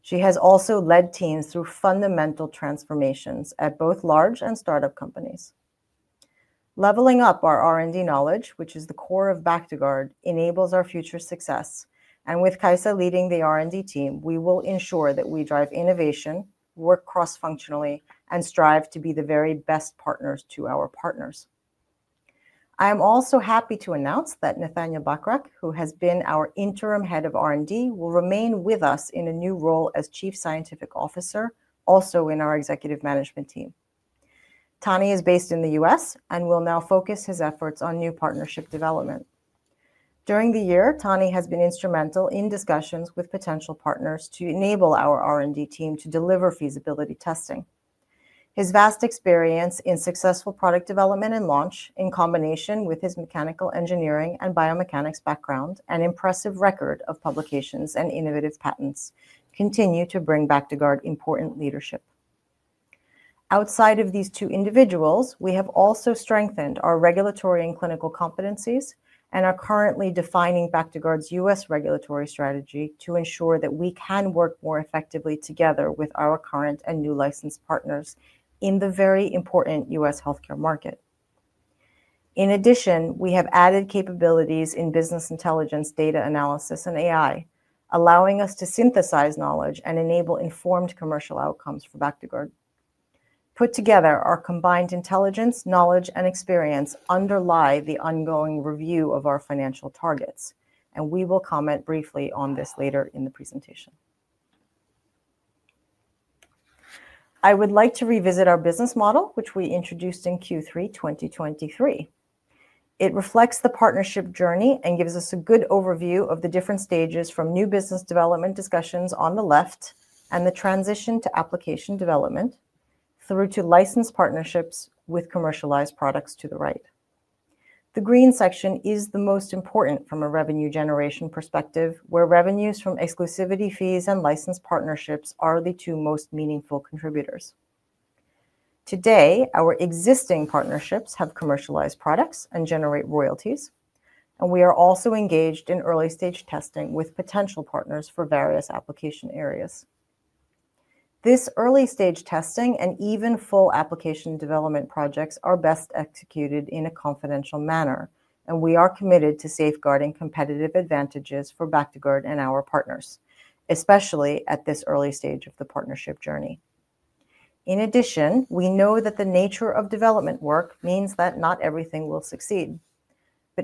She has also led teams through fundamental transformations at both large and startup companies. Leveling up our R&D knowledge, which is the core of Bactiguard, enables our future success. With Kajsa leading the R&D team, we will ensure that we drive innovation, work cross-functionally, and strive to be the very best partners to our partners. I am also happy to announce that Nathaniel Bachrach, who has been our Interim Head of R&D, will remain with us in a new role as Chief Scientific Officer, also in our executive management team. Tony is based in the U.S. and will now focus his efforts on new partnership development. During the year, Tony has been instrumental in discussions with potential partners to enable our R&D team to deliver feasibility testing. His vast experience in successful product development and launch, in combination with his mechanical engineering and biomechanics background, and impressive record of publications and innovative patents continue to bring Bactiguard important leadership. Outside of these two individuals, we have also strengthened our regulatory and clinical competencies and are currently defining Bactiguard's U.S. regulatory strategy to ensure that we can work more effectively together with our current and new licensed partners in the very important U.S. healthcare market. In addition, we have added capabilities in business intelligence, data analysis, and AI, allowing us to synthesize knowledge and enable informed commercial outcomes for Bactiguard. Put together, our combined intelligence, knowledge, and experience underlie the ongoing review of our financial targets, and we will comment briefly on this later in the presentation. I would like to revisit our business model, which we introduced in Q3 2023. It reflects the partnership journey and gives us a good overview of the different stages from new business development discussions on the left and the transition to application development through to license partnerships with commercialized products to the right. The green section is the most important from a revenue generation perspective, where revenues from exclusivity fees and license partnerships are the two most meaningful contributors. Today, our existing partnerships have commercialized products and generate royalties, and we are also engaged in early-stage testing with potential partners for various application areas. This early-stage testing and even full application development projects are best executed in a confidential manner, and we are committed to safeguarding competitive advantages for Bactiguard and our partners, especially at this early stage of the partnership journey. In addition, we know that the nature of development work means that not everything will succeed.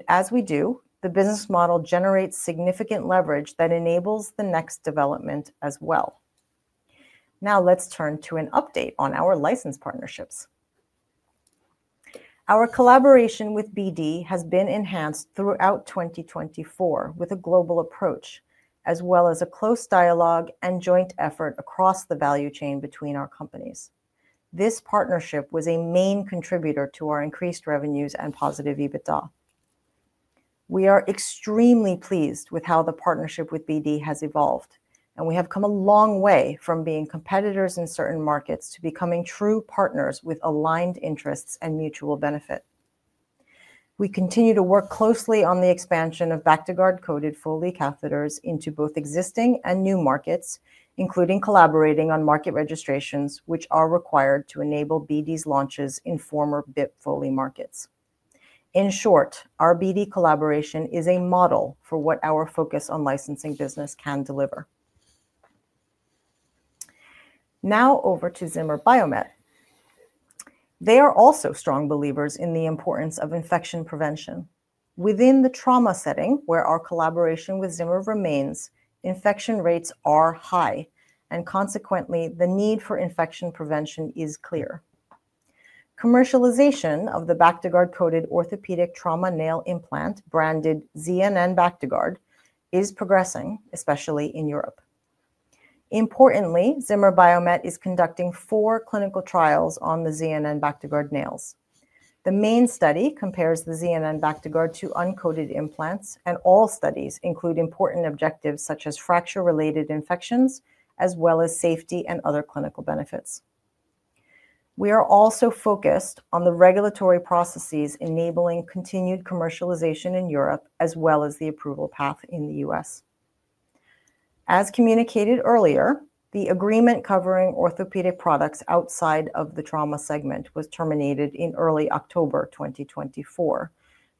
As we do, the business model generates significant leverage that enables the next development as well. Now let's turn to an update on our license partnerships. Our collaboration with BD has been enhanced throughout 2024 with a global approach, as well as a close dialogue and joint effort across the value chain between our companies. This partnership was a main contributor to our increased revenues and positive EBITDA. We are extremely pleased with how the partnership with BD has evolved, and we have come a long way from being competitors in certain markets to becoming true partners with aligned interests and mutual benefit. We continue to work closely on the expansion of Bactiguard-coated Foley catheters into both existing and new markets, including collaborating on market registrations, which are required to enable BD's launches in former BIP Foley markets. In short, our BD collaboration is a model for what our focus on licensing business can deliver. Now over to Zimmer Biomet. They are also strong believers in the importance of infection prevention. Within the trauma setting, where our collaboration with Zimmer remains, infection rates are high, and consequently, the need for infection prevention is clear. Commercialization of the Bactiguard-coated orthopedic trauma nail implant branded ZNN Bactiguard is progressing, especially in Europe. Importantly, Zimmer Biomet is conducting four clinical trials on the ZNN Bactiguard nails. The main study compares the ZNN Bactiguard to uncoated implants, and all studies include important objectives such as fracture-related infections, as well as safety and other clinical benefits. We are also focused on the regulatory processes enabling continued commercialization in Europe, as well as the approval path in the US. As communicated earlier, the agreement covering orthopedic products outside of the trauma segment was terminated in early October 2024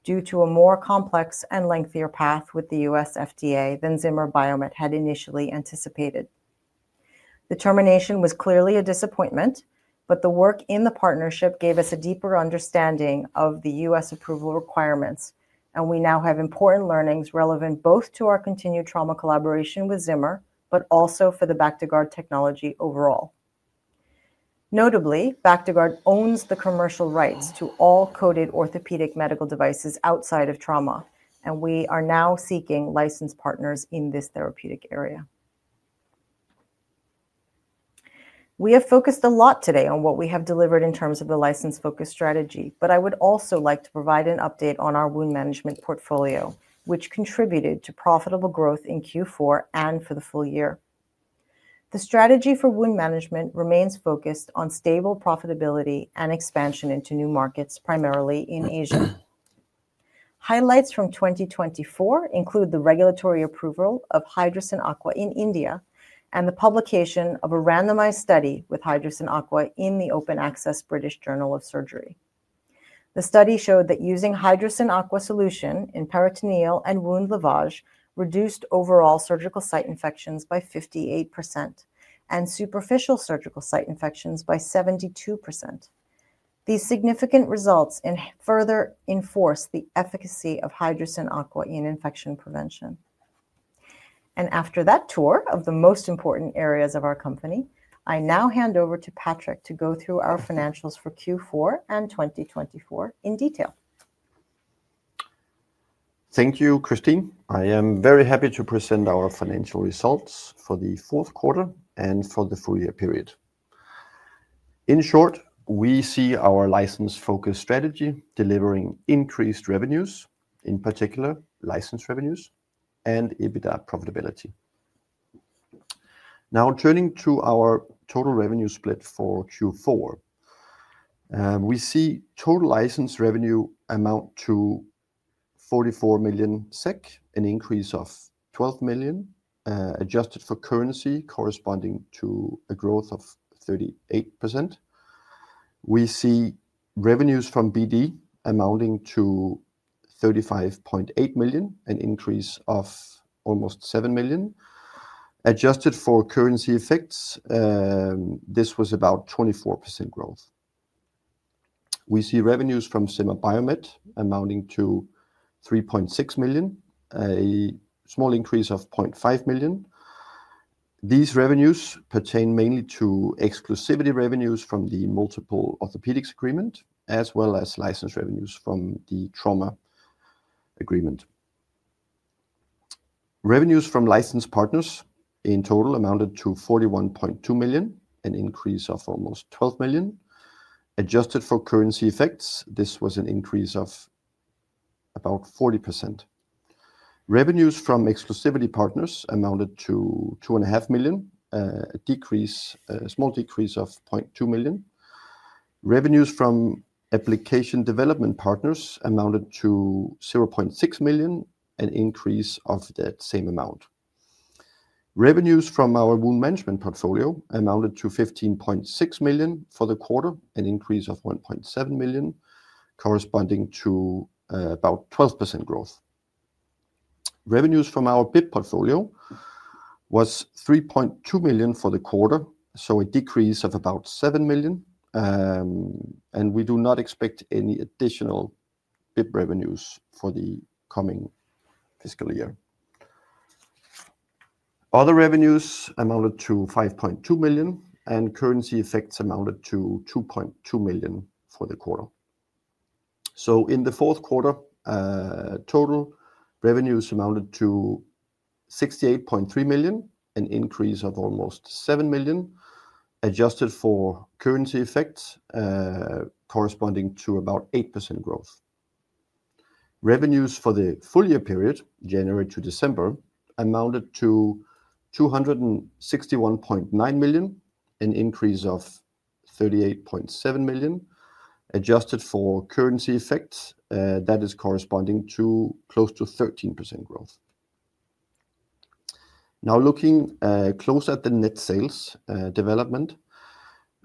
due to a more complex and lengthier path with the U.S. FDA than Zimmer Biomet had initially anticipated. The termination was clearly a disappointment, but the work in the partnership gave us a deeper understanding of the U.S. approval requirements, and we now have important learnings relevant both to our continued trauma collaboration with Zimmer, but also for the Bactiguard technology overall. Notably, Bactiguard owns the commercial rights to all coated orthopedic medical devices outside of trauma, and we are now seeking licensed partners in this therapeutic area. We have focused a lot today on what we have delivered in terms of the license-focused strategy, but I would also like to provide an update on our wound management portfolio, which contributed to profitable growth in Q4 and for the full year. The strategy for wound management remains focused on stable profitability and expansion into new markets, primarily in Asia. Highlights from 2024 include the regulatory approval of Hydrocyn Aqua in India and the publication of a randomized study with Hydrocyn Aqua in the Open Access British Journal of Surgery. The study showed that using Hydrocyn Aqua solution in peritoneal and wound lavage reduced overall surgical site infections by 58% and superficial surgical site infections by 72%. These significant results further enforce the efficacy of Hydrocyn Aqua in infection prevention. After that tour of the most important areas of our company, I now hand over to Patrick to go through our financials for Q4 and 2024 in detail. Thank you, Christine. I am very happy to present our financial results for the fourth quarter and for the full year period. In short, we see our license-focused strategy delivering increased revenues, in particular license revenues and EBITDA profitability. Now turning to our total revenue split for Q4, we see total license revenue amount to 44 million SEK, an increase of 12 million, adjusted for currency, corresponding to a growth of 38%. We see revenues from BD amounting to 35.8 million, an increase of almost 7 million. Adjusted for currency effects, this was about 24% growth. We see revenues from Zimmer Biomet amounting to 3.6 million, a small increase of 0.5 million. These revenues pertain mainly to exclusivity revenues from the multiple orthopedics agreement, as well as license revenues from the trauma agreement. Revenues from license partners in total amounted to 41.2 million, an increase of almost 12 million. Adjusted for currency effects, this was an increase of about 40%. Revenues from exclusivity partners amounted to 2.5 million, a small decrease of 0.2 million. Revenues from application development partners amounted to 0.6 million, an increase of that same amount. Revenues from our wound management portfolio amounted to 15.6 million for the quarter, an increase of 1.7 million, corresponding to about 12% growth. Revenues from our BIP portfolio was 3.2 million for the quarter, so a decrease of about 7 million, and we do not expect any additional BIP revenues for the coming fiscal year. Other revenues amounted to 5.2 million, and currency effects amounted to 2.2 million for the quarter. In the fourth quarter, total revenues amounted to 68.3 million, an increase of almost 7 million, adjusted for currency effects, corresponding to about 8% growth. Revenues for the full year period, January to December, amounted to 261.9 million, an increase of 38.7 million, adjusted for currency effects, that is corresponding to close to 13% growth. Now looking close at the net sales development,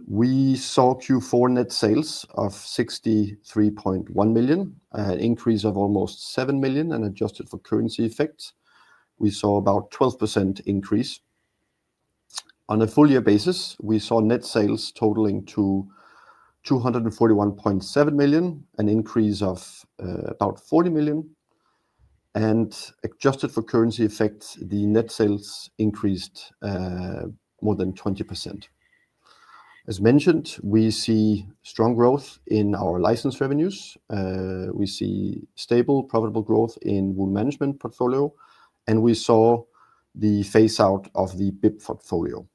we saw Q4 net sales of 63.1 million, an increase of almost 7 million, and adjusted for currency effects, we saw about 12% increase. On a full year basis, we saw net sales totaling to 241.7 million, an increase of about 40 million, and adjusted for currency effects, the net sales increased more than 20%. As mentioned, we see strong growth in our license revenues. We see stable profitable growth in wound management portfolio, and we saw the phase-out of the BIP portfolio.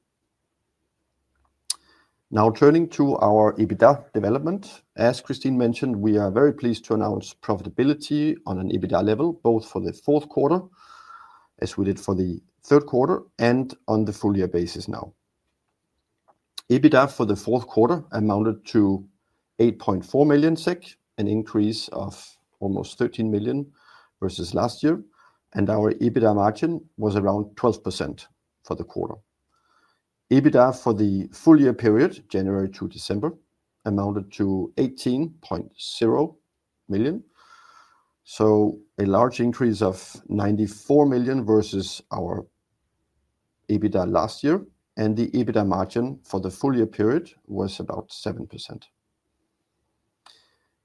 Now turning to our EBITDA development, as Christine mentioned, we are very pleased to announce profitability on an EBITDA level, both for the fourth quarter, as we did for the third quarter, and on the full year basis now. EBITDA for the fourth quarter amounted to 8.4 million SEK, an increase of almost 13 million versus last year, and our EBITDA margin was around 12% for the quarter. EBITDA for the full year period, January to December, amounted to 18.0 million, so a large increase of 94 million versus our EBITDA last year, and the EBITDA margin for the full year period was about 7%.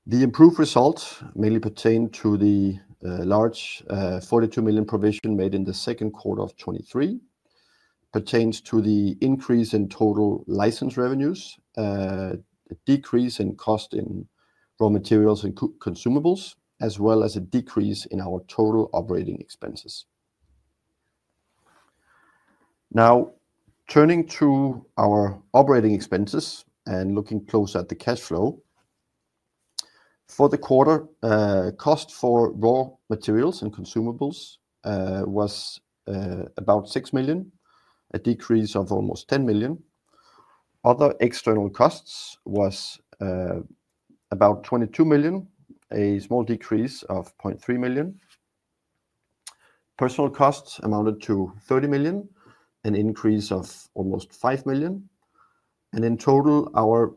The improved result mainly pertained to the large 42 million provision made in the second quarter of 2023, pertains to the increase in total license revenues, a decrease in cost in raw materials and consumables, as well as a decrease in our total operating expenses. Now turning to our operating expenses and looking close at the cash flow, for the quarter, cost for raw materials and consumables was about 6 million, a decrease of almost 10 million. Other external costs was about 22 million, a small decrease of 0.3 million. Personnel costs amounted to 30 million, an increase of almost 5 million, and in total, our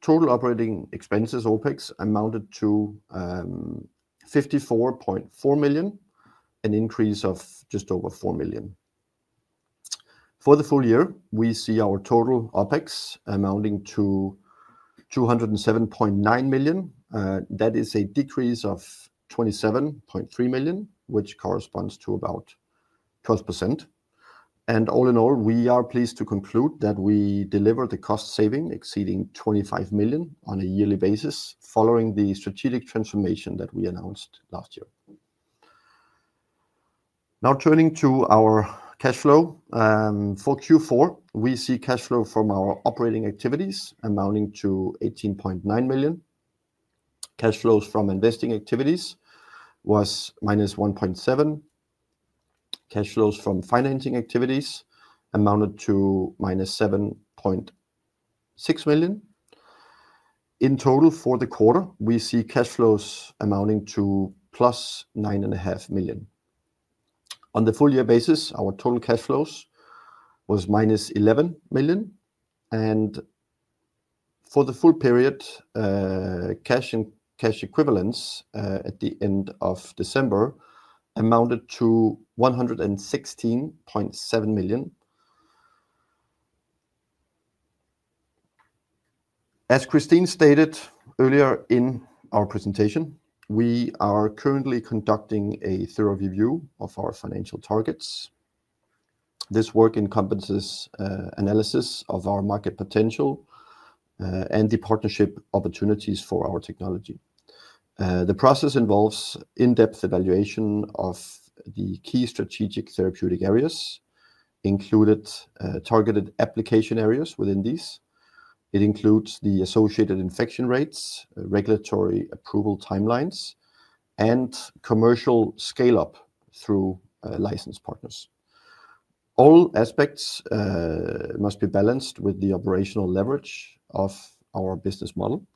total operating expenses, OpEx, amounted to 54.4 million, an increase of just over 4 million. For the full year, we see our total OpEx amounting to 207.9 million. That is a decrease of 27.3 million, which corresponds to about 12%. All in all, we are pleased to conclude that we delivered a cost saving exceeding 25 million on a yearly basis, following the strategic transformation that we announced last year. Now turning to our cash flow, for Q4, we see cash flow from our operating activities amounting to 18.9 million. Cash flows from investing activities was -1.7 million. Cash flows from financing activities amounted to -7.6 million. In total, for the quarter, we see cash flows amounting to +9.5 million. On the full year basis, our total cash flows was -11 million, and for the full period, cash and cash equivalents at the end of December amounted to SEK 116.7 million. As Christine stated earlier in our presentation, we are currently conducting a thorough review of our financial targets. This work encompasses analysis of our market potential and the partnership opportunities for our technology. The process involves in-depth evaluation of the key strategic therapeutic areas, included targeted application areas within these. It includes the associated infection rates, regulatory approval timelines, and commercial scale-up through license partners. All aspects must be balanced with the operational leverage of our business model.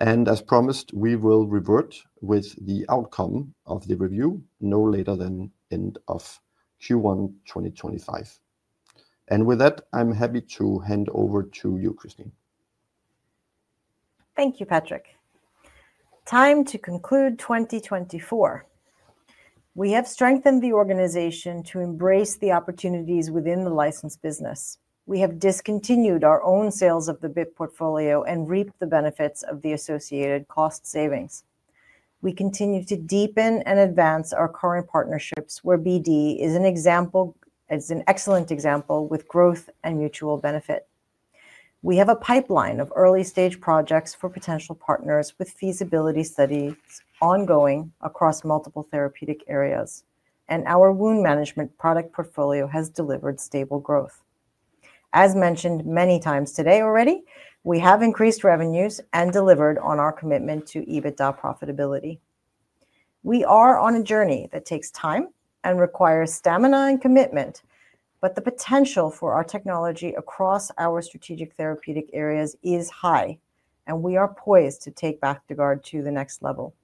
As promised, we will revert with the outcome of the review no later than end of Q1 2025. I am happy to hand over to you, Christine. Thank you, Patrick. Time to conclude 2024. We have strengthened the organization to embrace the opportunities within the license business. We have discontinued our own sales of the BIP portfolio and reaped the benefits of the associated cost savings. We continue to deepen and advance our current partnerships, where BD is an excellent example with growth and mutual benefit. We have a pipeline of early-stage projects for potential partners with feasibility studies ongoing across multiple therapeutic areas, and our wound management product portfolio has delivered stable growth. As mentioned many times today already, we have increased revenues and delivered on our commitment to EBITDA profitability. We are on a journey that takes time and requires stamina and commitment, but the potential for our technology across our strategic therapeutic areas is high, and we are poised to take Bactiguard to the next level.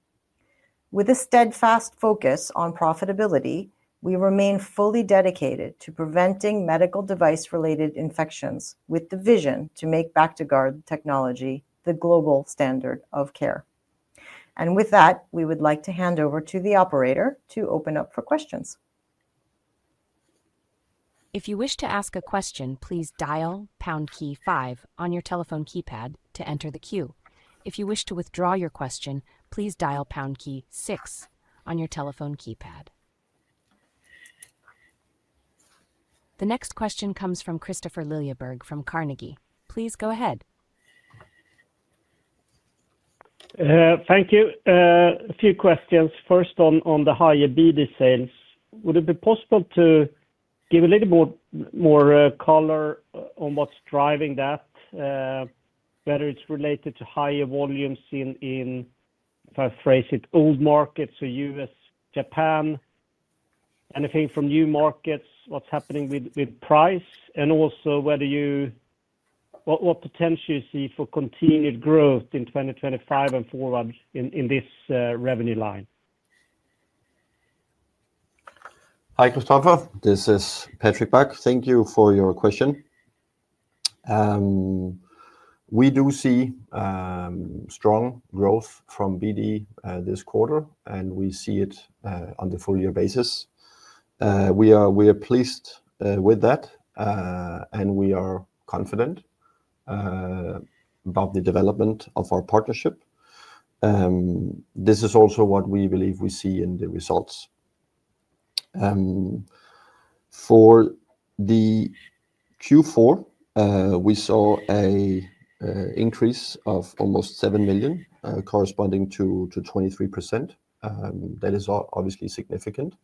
With a steadfast focus on profitability, we remain fully dedicated to preventing medical device-related infections, with the vision to make Bactiguard technology the global standard of care. With that, we would like to hand over to the operator to open up for questions. If you wish to ask a question, please dial pound key five on your telephone keypad to enter the queue. If you wish to withdraw your question, please dial pound key six on your telephone keypad. The next question comes from Kristofer Liljeberg from Carnegie. Please go ahead. Thank you. A few questions. First, on the higher BD sales, would it be possible to give a little more color on what's driving that, whether it's related to higher volumes in, if I phrase it, old markets, so U.S., Japan, anything from new markets, what's happening with price, and also what potential you see for continued growth in 2025 and forward in this revenue line? Hi, Kristofer. This is Patrick Bach. Thank you for your question. We do see strong growth from BD this quarter, and we see it on the full year basis. We are pleased with that, and we are confident about the development of our partnership. This is also what we believe we see in the results. For the Q4, we saw an increase of almost 7 million, corresponding to 23%. That is obviously significant.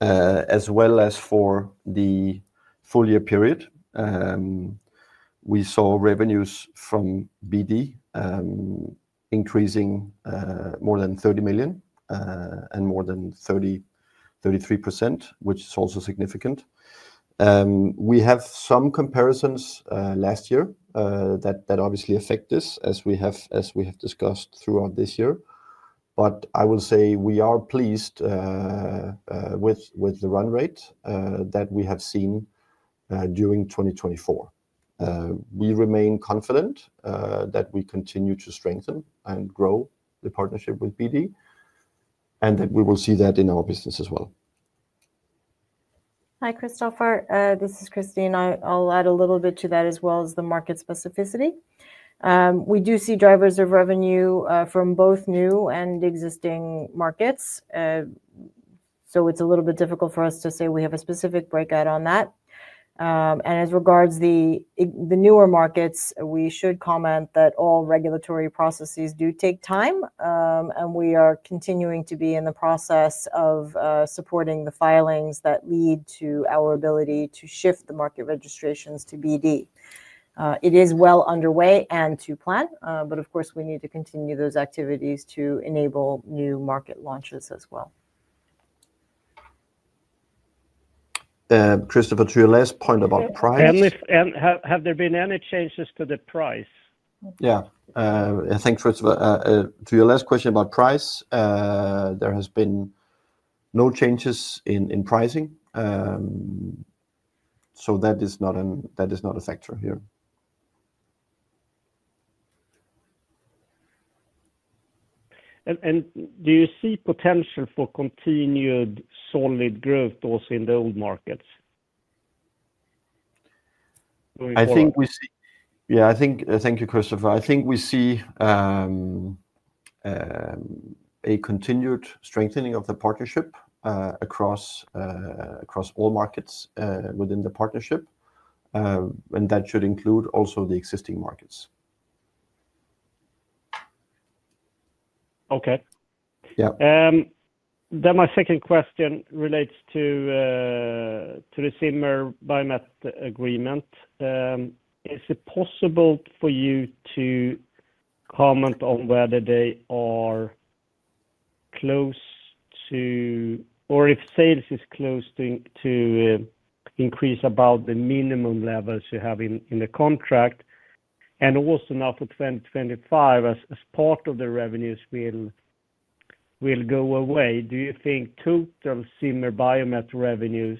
As well as for the full year period, we saw revenues from BD increasing more than 30 million and more than 33%, which is also significant. We have some comparisons last year that obviously affect this, as we have discussed throughout this year, but I will say we are pleased with the run rate that we have seen during 2024. We remain confident that we continue to strengthen and grow the partnership with BD, and that we will see that in our business as well. Hi, Kristofer. This is Christine. I'll add a little bit to that as well as the market specificity. We do see drivers of revenue from both new and existing markets, so it's a little bit difficult for us to say we have a specific breakout on that. As regards the newer markets, we should comment that all regulatory processes do take time, and we are continuing to be in the process of supporting the filings that lead to our ability to shift the market registrations to BD. It is well underway and to plan, but of course, we need to continue those activities to enable new market launches as well. Kristofer, to your last point about price. Have there been any changes to the price? Yeah. I think, first of all, to your last question about price, there have been no changes in pricing, so that is not a factor here. Do you see potential for continued solid growth also in the old markets? I think we see. Yeah, I thank you, Kristofer. I think we see a continued strengthening of the partnership across all markets within the partnership, and that should include also the existing markets. Okay. My second question relates to the Zimmer Biomet agreement. Is it possible for you to comment on whether they are close to, or if sales is close to increase about the minimum levels you have in the contract? Also now for 2025, as part of the revenues will go away, do you think total Zimmer Biomet revenues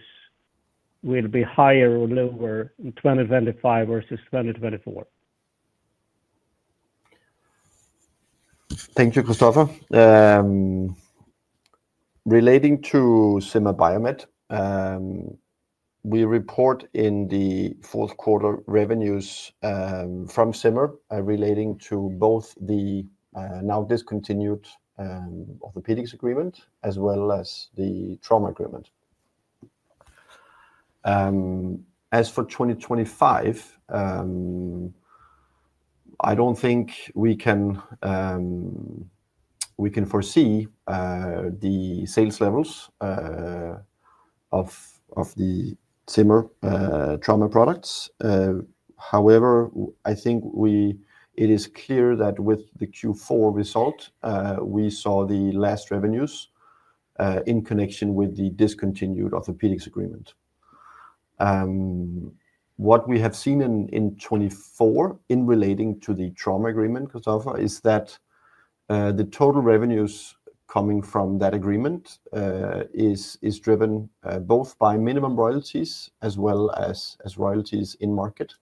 will be higher or lower in 2025 versus 2024? Thank you, Kristofer. Relating to Zimmer Biomet, we report in the fourth quarter revenues from Zimmer relating to both the now discontinued orthopedics agreement as well as the trauma agreement. As for 2025, I do not think we can foresee the sales levels of the Zimmer trauma products. However, I think it is clear that with the Q4 result, we saw the last revenues in connection with the discontinued orthopedics agreement. What we have seen in 2024 in relating to the trauma agreement, Kristofer, is that the total revenues coming from that agreement is driven both by minimum royalties as well as royalties in market,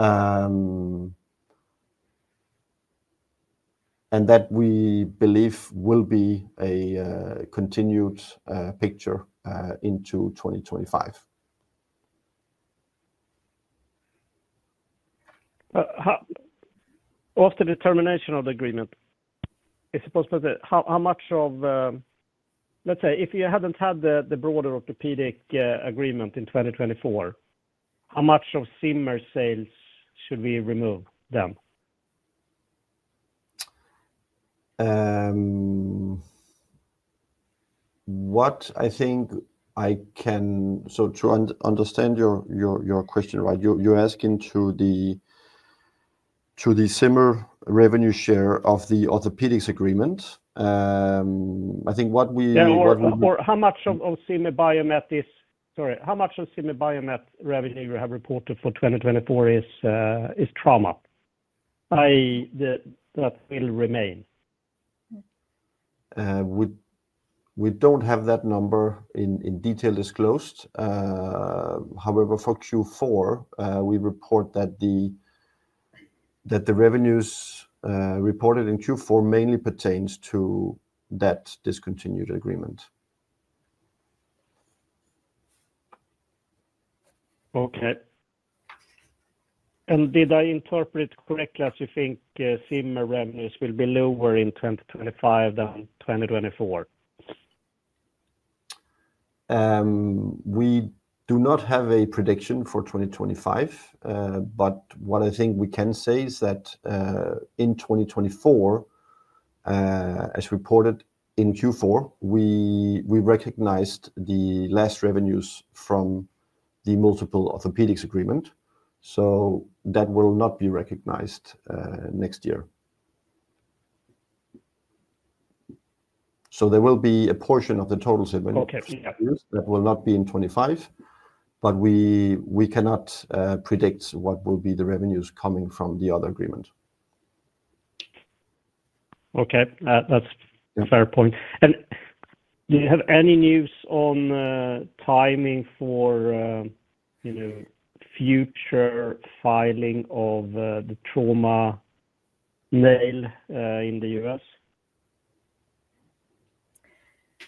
and that we believe will be a continued picture into 2025. After the termination of the agreement, it's possible that how much of, let's say, if you hadn't had the broader orthopedic agreement in 2024, how much of Zimmer sales should we remove then? What I think I can, so to understand your question right, you're asking to the Zimmer revenue share of the orthopedics agreement. I think what we. How much of Zimmer Biomet, sorry, how much of Zimmer Biomet revenue you have reported for 2024 is trauma that will remain? We don't have that number in detail disclosed. However, for Q4, we report that the revenues reported in Q4 mainly pertains to that discontinued agreement. Okay. Did I interpret correctly as you think Zimmer revenues will be lower in 2025 than 2024? We do not have a prediction for 2025, but what I think we can say is that in 2024, as reported in Q4, we recognized the last revenues from the multiple orthopedics agreement, so that will not be recognized next year. There will be a portion of the total revenues that will not be in 2025, but we cannot predict what will be the revenues coming from the other agreement. Okay. That's a fair point. Do you have any news on timing for future filing of the trauma nail in the U.S.?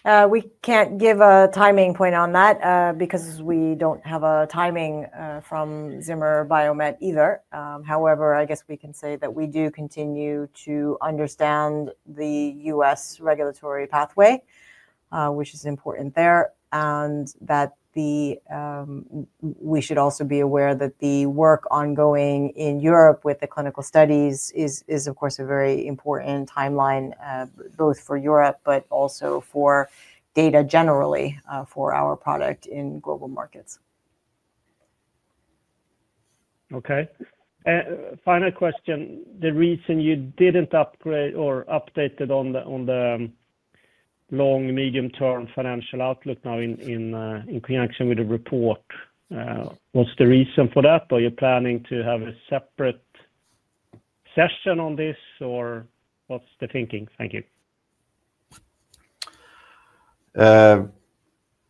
We can't give a timing point on that because we don't have a timing from Zimmer Biomet either. However, I guess we can say that we do continue to understand the U.S. regulatory pathway, which is important there, and that we should also be aware that the work ongoing in Europe with the clinical studies is, of course, a very important timeline both for Europe but also for data generally for our product in global markets. Okay. Final question. The reason you didn't upgrade or update on the long-medium-term financial outlook now in connection with the report, what's the reason for that? Are you planning to have a separate session on this, or what's the thinking? Thank you.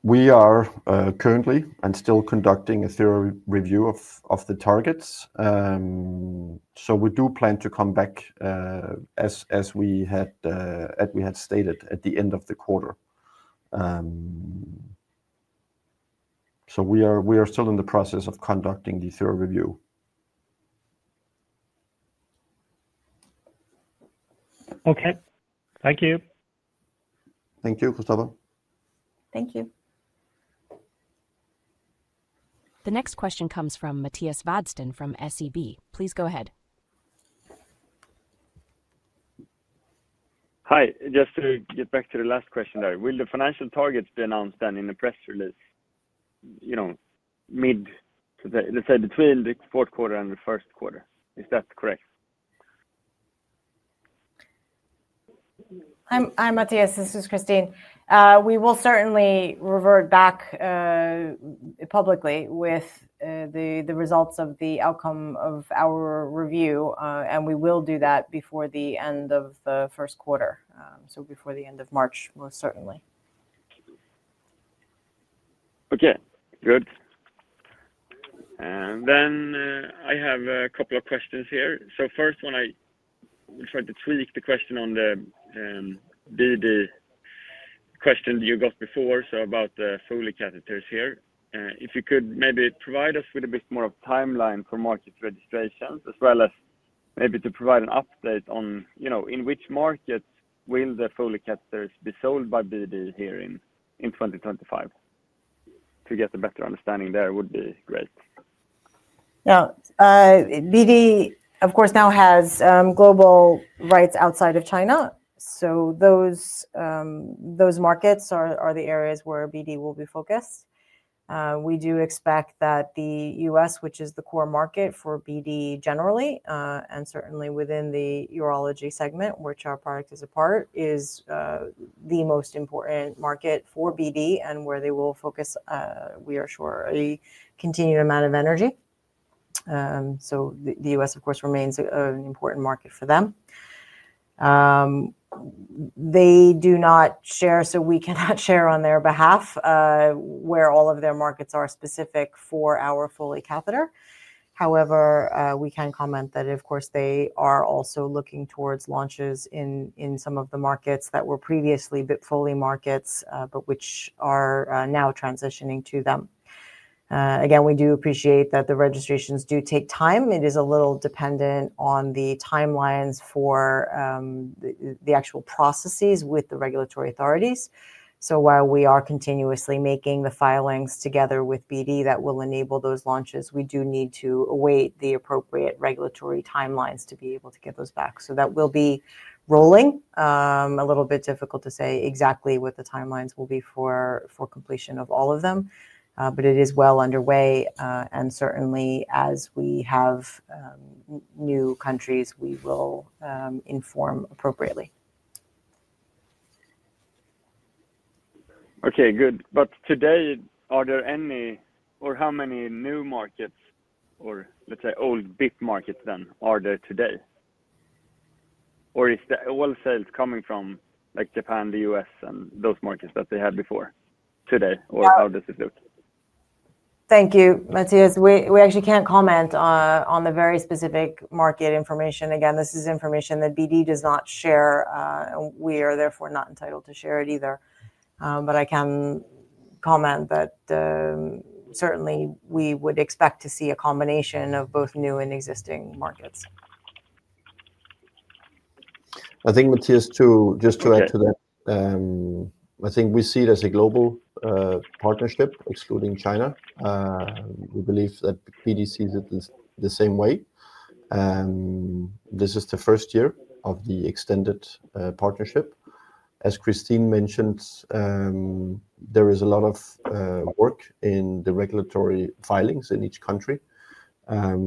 We are currently and still conducting a thorough review of the targets. So we do plan to come back as we had stated at the end of the quarter. We are still in the process of conducting the thorough review. Okay. Thank you. Thank you, Kristofer. Thank you. The next question comes from Matthias Vadsten from SEB. Please go ahead. Hi. Just to get back to the last question there, will the financial targets be announced then in the press release mid-let's say between the fourth quarter and the first quarter? Is that correct? Hi Matthias. This is Christine. We will certainly revert back publicly with the results of the outcome of our review, and we will do that before the end of the first quarter, so before the end of March, most certainly. Okay. Good. I have a couple of questions here. First, when I tried to tweak the question on the BD question that you got before, about the Foley catheters here, if you could maybe provide us with a bit more of a timeline for market registrations as well as maybe provide an update on in which markets will the Foley catheters be sold by BD here in 2025? To get a better understanding there would be great. Yeah. BD, of course, now has global rights outside of China, so those markets are the areas where BD will be focused. We do expect that the U.S., which is the core market for BD generally, and certainly within the urology segment, which our product is a part, is the most important market for BD and where they will focus, we are sure, a continued amount of energy. The U.S., of course, remains an important market for them. They do not share, so we cannot share on their behalf where all of their markets are specific for our Foley catheter. However, we can comment that, of course, they are also looking towards launches in some of the markets that were previously Foley markets, but which are now transitioning to them. We do appreciate that the registrations do take time. It is a little dependent on the timelines for the actual processes with the regulatory authorities. While we are continuously making the filings together with BD that will enable those launches, we do need to await the appropriate regulatory timelines to be able to get those back. That will be rolling. A little bit difficult to say exactly what the timelines will be for completion of all of them, but it is well underway. Certainly, as we have new countries, we will inform appropriately. Okay. Good. Today, are there any or how many new markets or, let's say, old BIP markets then are there today? Is the old sales coming from Japan, the U.S., and those markets that they had before today? How does it look? Thank you, Matthias. We actually can't comment on the very specific market information. Again, this is information that BD does not share, and we are therefore not entitled to share it either. I can comment that certainly we would expect to see a combination of both new and existing markets. I think, Matthias, just to add to that, I think we see it as a global partnership, excluding China. We believe that BD sees it the same way. This is the first year of the extended partnership. As Christine mentioned, there is a lot of work in the regulatory filings in each country, but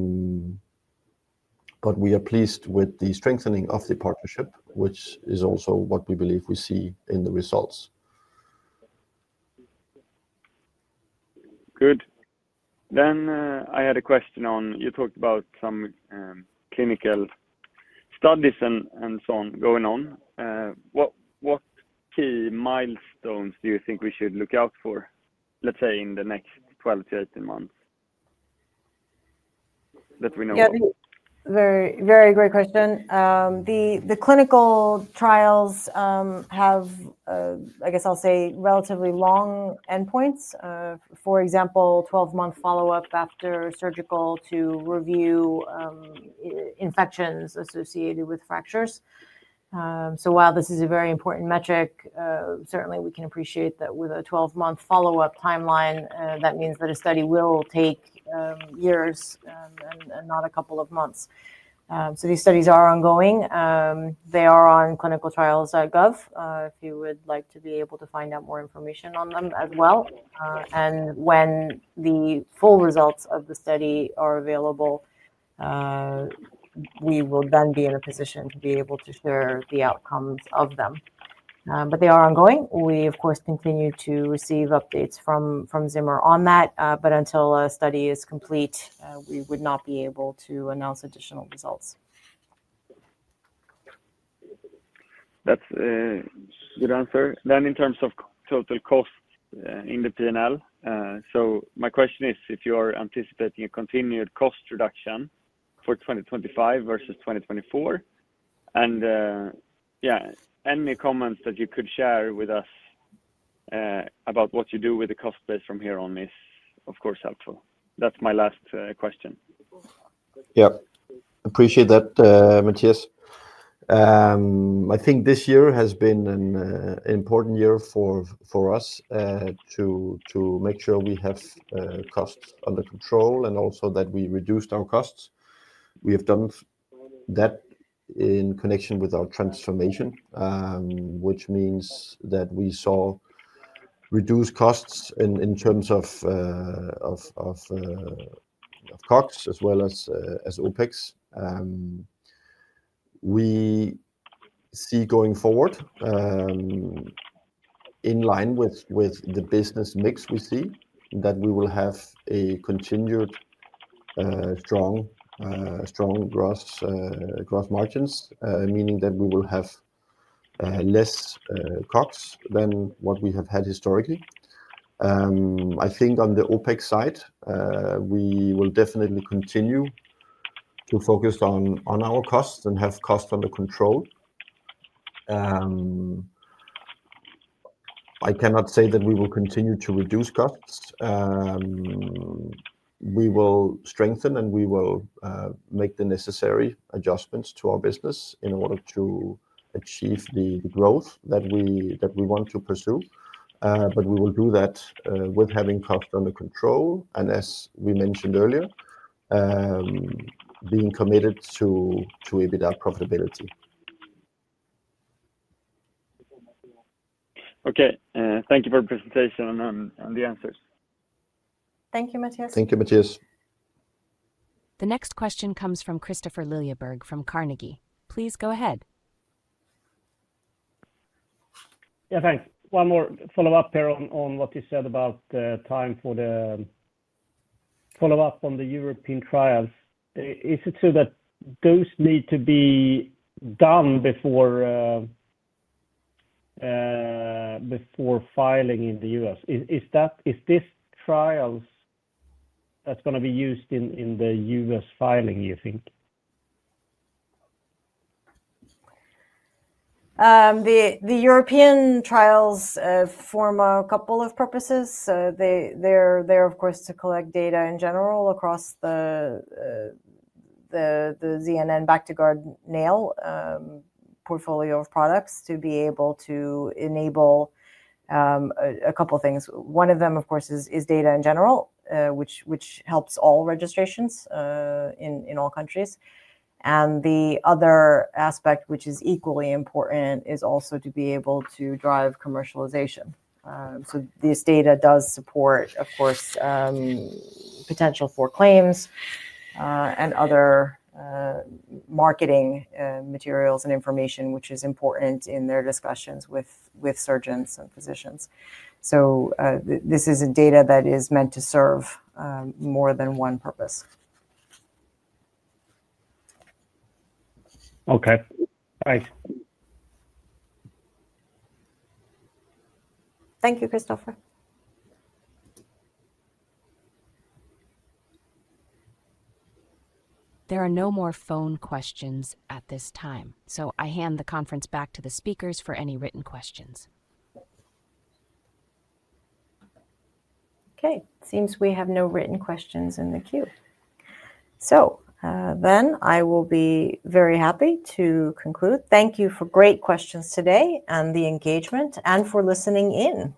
we are pleased with the strengthening of the partnership, which is also what we believe we see in the results. Good. I had a question on you talked about some clinical studies and so on going on. What key milestones do you think we should look out for, let's say, in the next 12-18 months that we know? Very great question. The clinical trials have, I guess I'll say, relatively long endpoints. For example, 12-month follow-up after surgical to review infections associated with fractures. While this is a very important metric, certainly we can appreciate that with a 12-month follow-up timeline, that means that a study will take years and not a couple of months. These studies are ongoing. They are on clinicaltrials.gov. If you would like to be able to find out more information on them as well. When the full results of the study are available, we will then be in a position to be able to share the outcomes of them. They are ongoing. We, of course, continue to receive updates from Zimmer Biomet on that. Until a study is complete, we would not be able to announce additional results. That's a good answer. In terms of total cost in the P&L, my question is, if you are anticipating a continued cost reduction for 2025 versus 2024, any comments that you could share with us about what you do with the cost base from here on is, of course, helpful. That's my last question. Yep. Appreciate that, Matthias.I think this year has been an important year for us to make sure we have costs under control and also that we reduced our costs. We have done that in connection with our transformation, which means that we saw reduced costs in terms of COGS as well as OpEx. We see going forward in line with the business mix we see that we will have continued strong gross margins, meaning that we will have less COGS than what we have had historically. I think on the OpEx side, we will definitely continue to focus on our costs and have costs under control. I cannot say that we will continue to reduce costs. We will strengthen, and we will make the necessary adjustments to our business in order to achieve the growth that we want to pursue. We will do that with having costs under control and, as we mentioned earlier, being committed to EBITDA profitability. Okay. Thank you for the presentation and the answers. Thank you, Matthias. Thank you, Matthias. The next question comes from Kristofer Liljeberg from Carnegie. Please go ahead. Yeah. Thanks. One more follow-up here on what you said about time for the follow-up on the European trials. Is it so that those need to be done before filing in the U.S.? Is this trials that's going to be used in the U.S. filing, do you think? The European trials form a couple of purposes. They're, of course, to collect data in general across the ZNN Bactiguard nail portfolio of products to be able to enable a couple of things. One of them, of course, is data in general, which helps all registrations in all countries. The other aspect, which is equally important, is also to be able to drive commercialization. This data does support, of course, potential for claims and other marketing materials and information, which is important in their discussions with surgeons and physicians. This is data that is meant to serve more than one purpose. Okay. Thanks. Thank you, Kristofer. There are no more phone questions at this time. I hand the conference back to the speakers for any written questions. It seems we have no written questions in the queue. I will be very happy to conclude. Thank you for great questions today and the engagement and for listening in.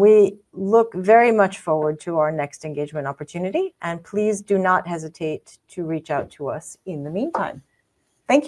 We look very much forward to our next engagement opportunity. Please do not hesitate to reach out to us in the meantime. Thank you.